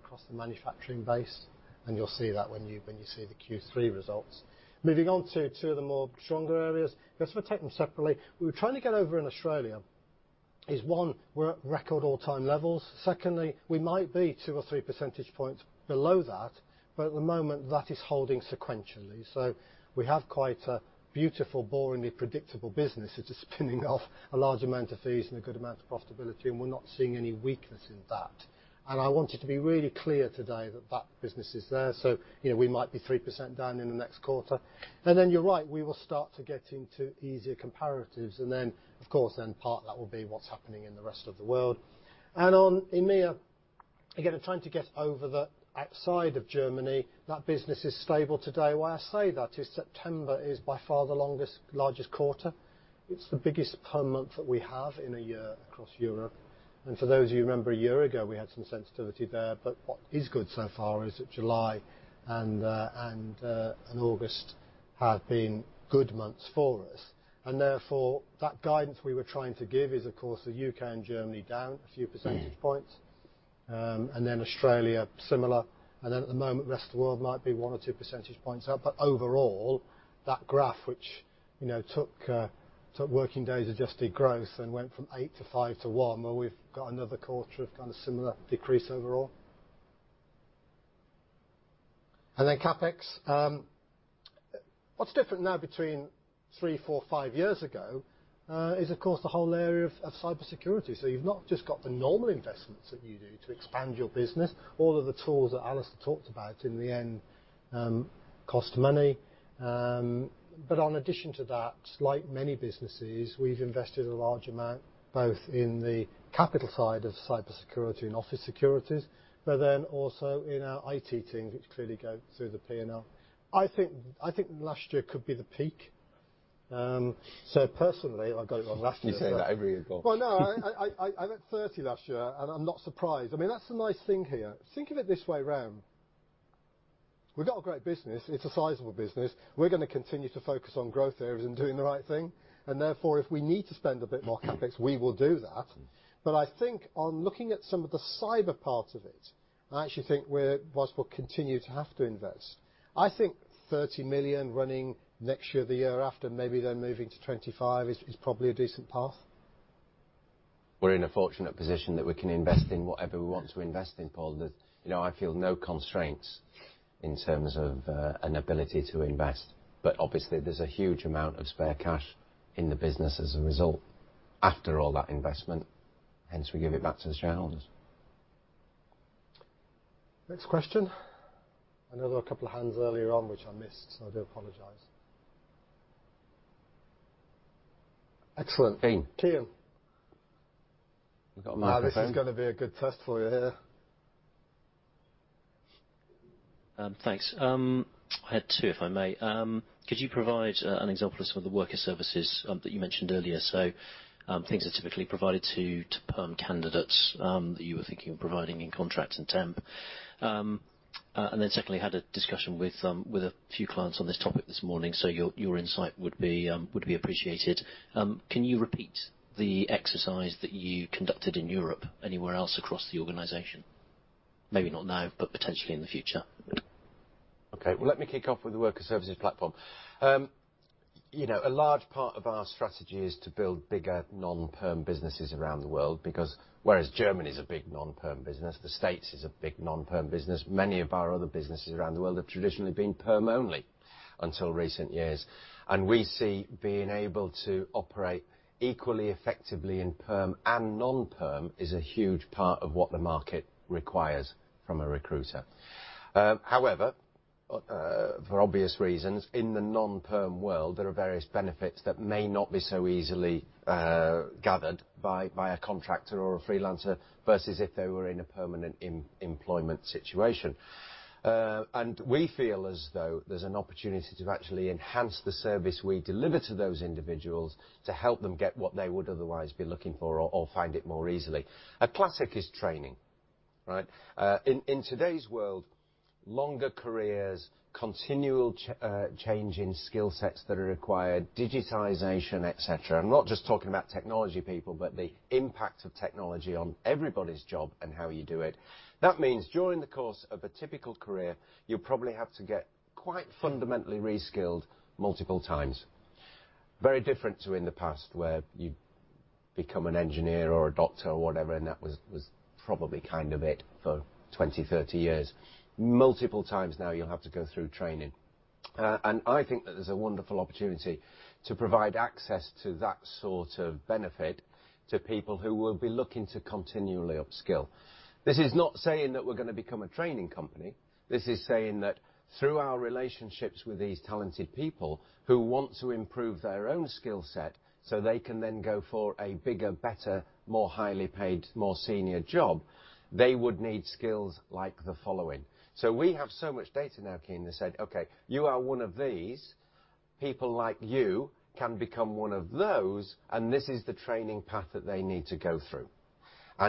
across the manufacturing base, you'll see that when you see the Q3 results. Moving on to two of the more stronger areas. I guess if I take them separately, what we're trying to get over in Australia is, one, we're at record all-time levels. Secondly, we might be two or three percentage points below that, at the moment, that is holding sequentially. We have quite a beautiful, boringly predictable business that is spinning off a large amount of fees and a good amount of profitability, and we're not seeing any weakness in that. I wanted to be really clear today that that business is there. We might be 3% down in the next quarter. You're right, we will start to get into easier comparatives. Of course, part of that will be what's happening in the rest of the world. On EMEA, again, I'm trying to get over the outside of Germany, that business is stable today. Why I say that is September is by far the longest, largest quarter. It's the biggest per month that we have in a year across Europe. For those of you who remember a year ago, we had some sensitivity there. What is good so far is that July and August have been good months for us. Therefore, that guidance we were trying to give is, of course, the U.K. and Germany down a few percentage points, and then Australia similar, and then at the moment, the rest of the world might be one or two percentage points up. Overall, that graph, which took working days, adjusted growth, and went from eight to five to one, where we've got another quarter of kind of similar decrease overall. CapEx. What's different now between three, four, five years ago is, of course, the whole area of cybersecurity. You've not just got the normal investments that you do to expand your business. All of the tools that Alistair talked about, in the end, cost money. On addition to that, like many businesses, we've invested a large amount, both in the capital side of cybersecurity and office securities, but then also in our IT team, which clearly go through the P&L. I think last year could be the peak. Personally, if I got it wrong last year. You say that every year, Paul. Well, no. I went 30 million last year, and I'm not surprised. That's the nice thing here. Think of it this way around. We've got a great business. It's a sizable business. We're going to continue to focus on growth areas and doing the right thing, and therefore, if we need to spend a bit more CapEx, we will do that. I think on looking at some of the cyber part of it, I actually think we're whilst we'll continue to have to invest. I think 30 million running next year, the year after, maybe then moving to 25 million is probably a decent path. We're in a fortunate position that we can invest in whatever we want to invest in, Paul. I feel no constraints in terms of an ability to invest. Obviously, there's a huge amount of spare cash in the business as a result, after all that investment, hence we give it back to the shareholders. Next question. I know there were a couple of hands earlier on which I missed, so I do apologize. Excellent. Ian. Ian. We've got a microphone. Now, this is going to be a good test for you here. Thanks. I had two, if I may. Could you provide an example of some of the worker services that you mentioned earlier, things that are typically provided to perm candidates, that you were thinking of providing in contract and temp? Secondly, I had a discussion with a few clients on this topic this morning, so your insight would be appreciated. Can you repeat the exercise that you conducted in Europe anywhere else across the organization? Maybe not now, but potentially in the future. Okay. Well, let me kick off with the Worker Services Platform. A large part of our strategy is to build bigger non-perm businesses around the world because whereas Germany is a big non-perm business, the States is a big non-perm business, many of our other businesses around the world have traditionally been perm only until recent years. We see being able to operate equally effectively in perm and non-perm is a huge part of what the market requires from a recruiter. However, for obvious reasons, in the non-perm world, there are various benefits that may not be so easily gathered by a contractor or a freelancer versus if they were in a permanent employment situation. We feel as though there's an opportunity to actually enhance the service we deliver to those individuals to help them get what they would otherwise be looking for or find it more easily. A classic is training. In today's world, longer careers, continual change in skill sets that are required, digitization, et cetera. I'm not just talking about technology people, but the impact of technology on everybody's job and how you do it. That means during the course of a typical career, you probably have to get quite fundamentally re-skilled multiple times. Very different to in the past where you become an engineer or a doctor or whatever, and that was probably kind of it for 20, 30 years. Multiple times now you'll have to go through training. I think that there's a wonderful opportunity to provide access to that sort of benefit to people who will be looking to continually upskill. This is not saying that we're going to become a training company. This is saying that through our relationships with these talented people who want to improve their own skill set so they can then go for a bigger, better, more highly paid, more senior job, they would need skills like the following. We have so much data now, Ian, that said, okay, you are one of these. People like you can become one of those, and this is the training path that they need to go through.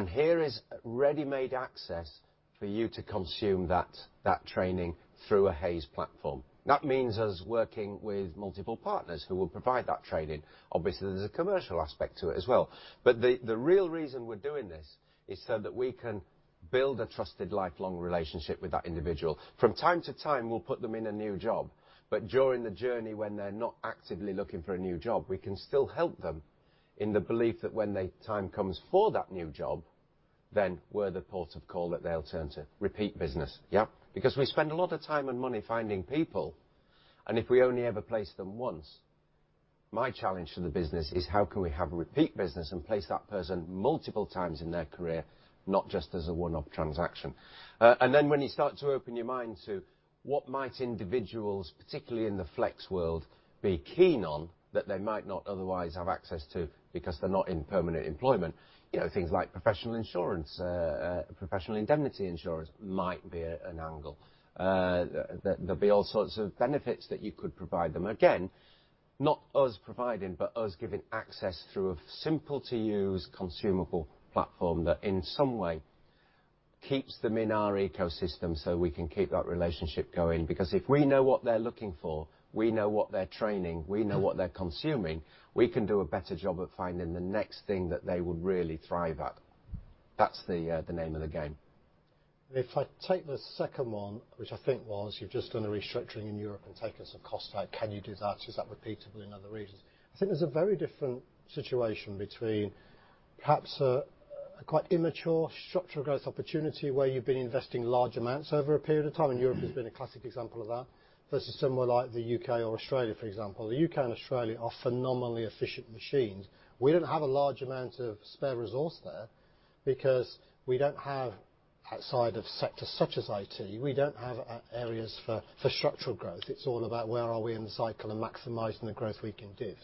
Here is ready-made access for you to consume that training through a Hays platform. That means us working with multiple partners who will provide that training. Obviously, there's a commercial aspect to it as well. The real reason we're doing this is so that we can build a trusted, lifelong relationship with that individual. From time to time, we'll put them in a new job, but during the journey when they're not actively looking for a new job, we can still help them in the belief that when the time comes for that new job, then we're the port of call that they'll turn to. Repeat business. We spend a lot of time and money finding people, and if we only ever place them once, my challenge to the business is how can we have a repeat business and place that person multiple times in their career, not just as a one-off transaction. When you start to open your mind to what might individuals, particularly in the flex world, be keen on that they might not otherwise have access to because they're not in permanent employment, things like professional insurance, professional indemnity insurance might be an angle. There'll be all sorts of benefits that you could provide them. Again, not us providing, but us giving access through a simple-to-use consumable platform that in some way keeps them in our ecosystem so we can keep that relationship going. Because if we know what they're looking for, we know what they're training, we know what they're consuming, we can do a better job at finding the next thing that they would really thrive at. That's the name of the game. If I take the second one, which I think was you've just done a restructuring in Europe and taken some cost out, can you do that? Is that repeatable in other regions? I think there's a very different situation between perhaps a quite immature structural growth opportunity where you've been investing large amounts over a period of time, and Europe has been a classic example of that, versus somewhere like the U.K. or Australia, for example. The U.K. and Australia are phenomenally efficient machines. We don't have a large amount of spare resource there because Outside of sectors such as IT, we don't have areas for structural growth. It's all about where are we in the cycle and maximizing the growth we can give.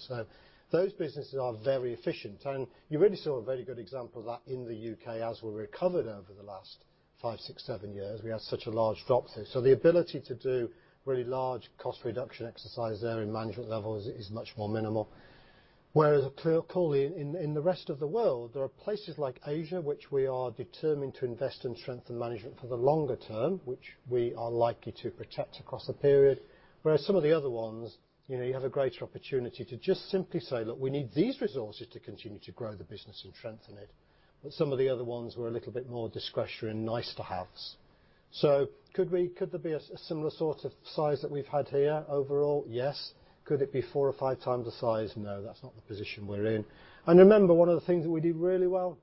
Those businesses are very efficient. You really saw a very good example of that in the U.K. as we recovered over the last five, six, seven years. We had such a large drop there. The ability to do really large cost reduction exercise there in management levels is much more minimal. Paul, in the rest of the world, there are places like Asia, which we are determined to invest and strengthen management for the longer term, which we are likely to protect across the period. Some of the other ones, you have a greater opportunity to just simply say, "Look, we need these resources to continue to grow the business and strengthen it." Some of the other ones were a little bit more discretionary, nice-to-haves. Could there be a similar sort of size that we've had here overall? Yes. Could it be four or five times the size? No, that's not the position we're in. Remember, one of the things that we did really well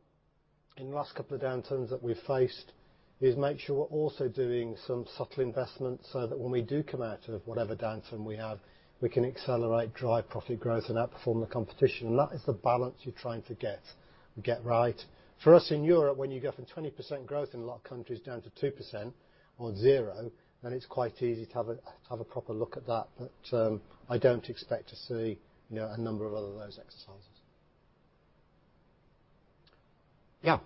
in the last couple of downturns that we've faced is make sure we're also doing some subtle investments so that when we do come out of whatever downturn we have, we can accelerate, drive profit growth, and outperform the competition. That is the balance you're trying to get right. For us in Europe, when you go from 20% growth in a lot of countries down to 2% or 0%, then it's quite easy to have a proper look at that. I don't expect to see a number of other of those exercises. Yeah.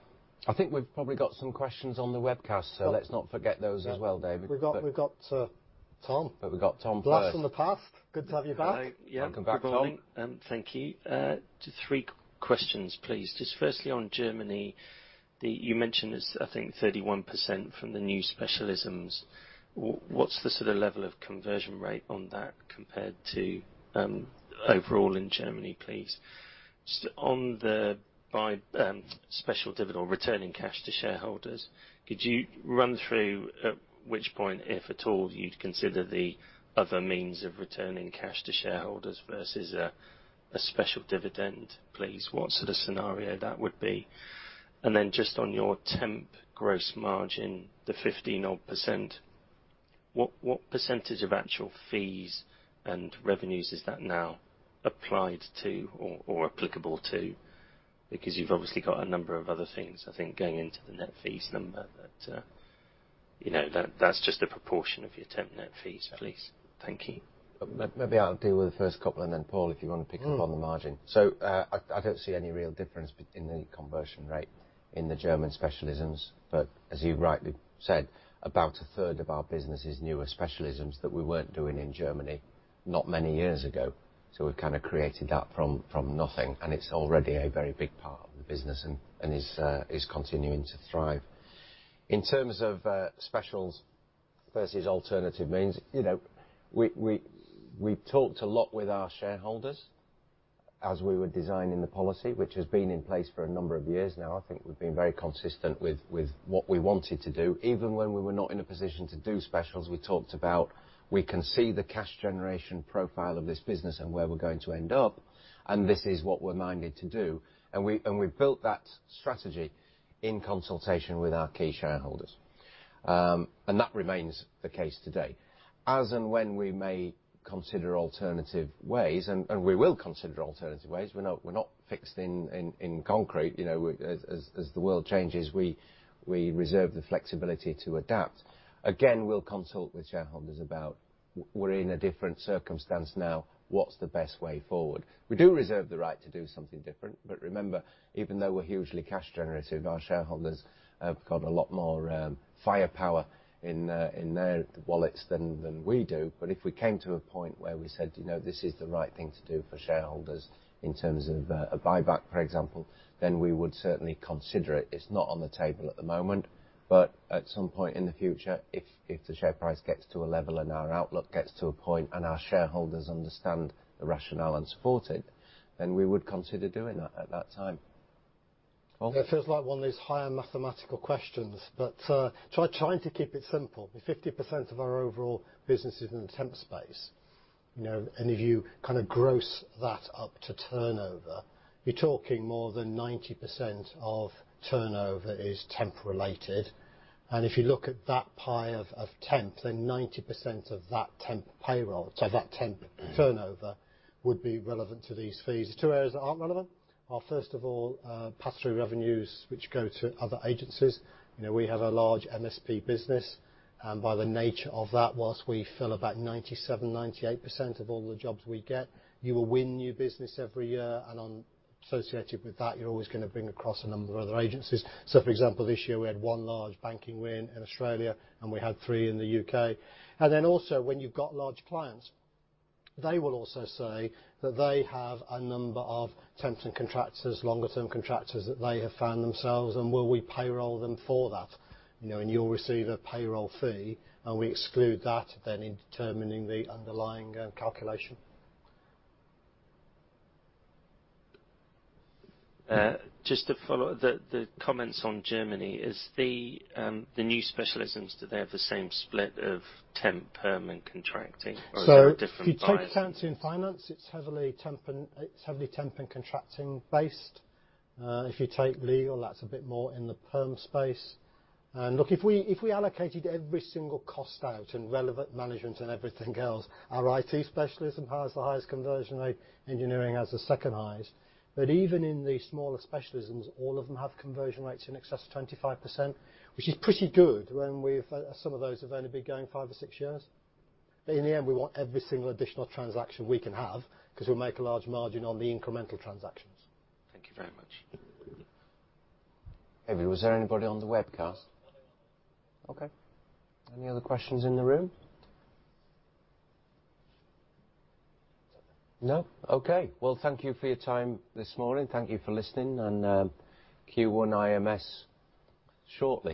I think we've probably got some questions on the webcast, so let's not forget those as well, David. We've got Tom. We've got Tom first. Blast from the past. Good to have you back. Welcome back, Tom. Yeah, good morning, thank you. Just three questions, please. Just firstly on Germany, you mentioned there's, I think, 31% from the new specialisms. What's the sort of level of conversion rate on that compared to overall in Germany, please? Just on the special dividend, returning cash to shareholders, could you run through at which point, if at all, you'd consider the other means of returning cash to shareholders versus a special dividend, please? What sort of scenario that would be? Then just on your temp gross margin, the 15% odd, what percentage of actual fees and revenues is that now applied to or applicable to? You've obviously got a number of other things, I think, going into the net fees number, but that's just a proportion of your temp net fees, please. Thank you. Maybe I'll deal with the first couple, and then Paul, if you want to pick up on the margin. I don't see any real difference in the conversion rate in the German specialisms. As you rightly said, about a third of our business is newer specialisms that we weren't doing in Germany not many years ago. We've kind of created that from nothing, and it's already a very big part of the business and is continuing to thrive. In terms of specials versus alternative means, we talked a lot with our shareholders as we were designing the policy, which has been in place for a number of years now. I think we've been very consistent with what we wanted to do. Even when we were not in a position to do specials, we talked about we can see the cash generation profile of this business and where we're going to end up, and this is what we're minded to do. We built that strategy in consultation with our key shareholders. That remains the case today. As and when we may consider alternative ways, and we will consider alternative ways. We're not fixed in concrete. As the world changes, we reserve the flexibility to adapt. Again, we'll consult with shareholders about we're in a different circumstance now, what's the best way forward? We do reserve the right to do something different. Remember, even though we're hugely cash generative, our shareholders have got a lot more firepower in their wallets than we do. If we came to a point where we said this is the right thing to do for shareholders in terms of a buyback, for example, then we would certainly consider it. It's not on the table at the moment, but at some point in the future, if the share price gets to a level and our outlook gets to a point and our shareholders understand the rationale and support it, then we would consider doing that at that time. Paul. It feels like one of those higher mathematical questions, but trying to keep it simple. 50% of our overall business is in the temp space. If you gross that up to turnover, you're talking more than 90% of turnover is temp related. If you look at that pie of temp, then 90% of that temp payroll, so that temp turnover would be relevant to these fees. There's two areas that aren't relevant are, first of all, pass-through revenues which go to other agencies. We have a large MSP business, and by the nature of that, whilst we fill about 97%, 98% of all the jobs we get, you will win new business every year, and associated with that, you're always going to bring across a number of other agencies. For example, this year we had one large banking win in Australia, and we had three in the U.K. Also when you've got large clients, they will also say that they have a number of temping contractors, longer term contractors that they have found themselves, and will we payroll them for that? You'll receive a payroll fee, and we exclude that then in determining the underlying calculation. Just to follow the comments on Germany, is the new specialisms, do they have the same split of temp, perm, and contracting? Or is there a different bias? If you take Finance, it's heavily temp and contracting based. If you take Legal, that's a bit more in the perm space. Look, if we allocated every single cost out and relevant management and everything else, our IT specialism has the highest conversion rate, Engineering has the second highest. Even in the smaller specialisms, all of them have conversion rates in excess of 25%, which is pretty good when some of those have only been going five or six years. In the end, we want every single additional transaction we can have because we'll make a large margin on the incremental transactions. Thank you very much. Maybe was there anybody on the webcast? No. Okay. Any other questions in the room? No? Okay. Well, thank you for your time this morning. Thank you for listening, and Q1 IMS shortly.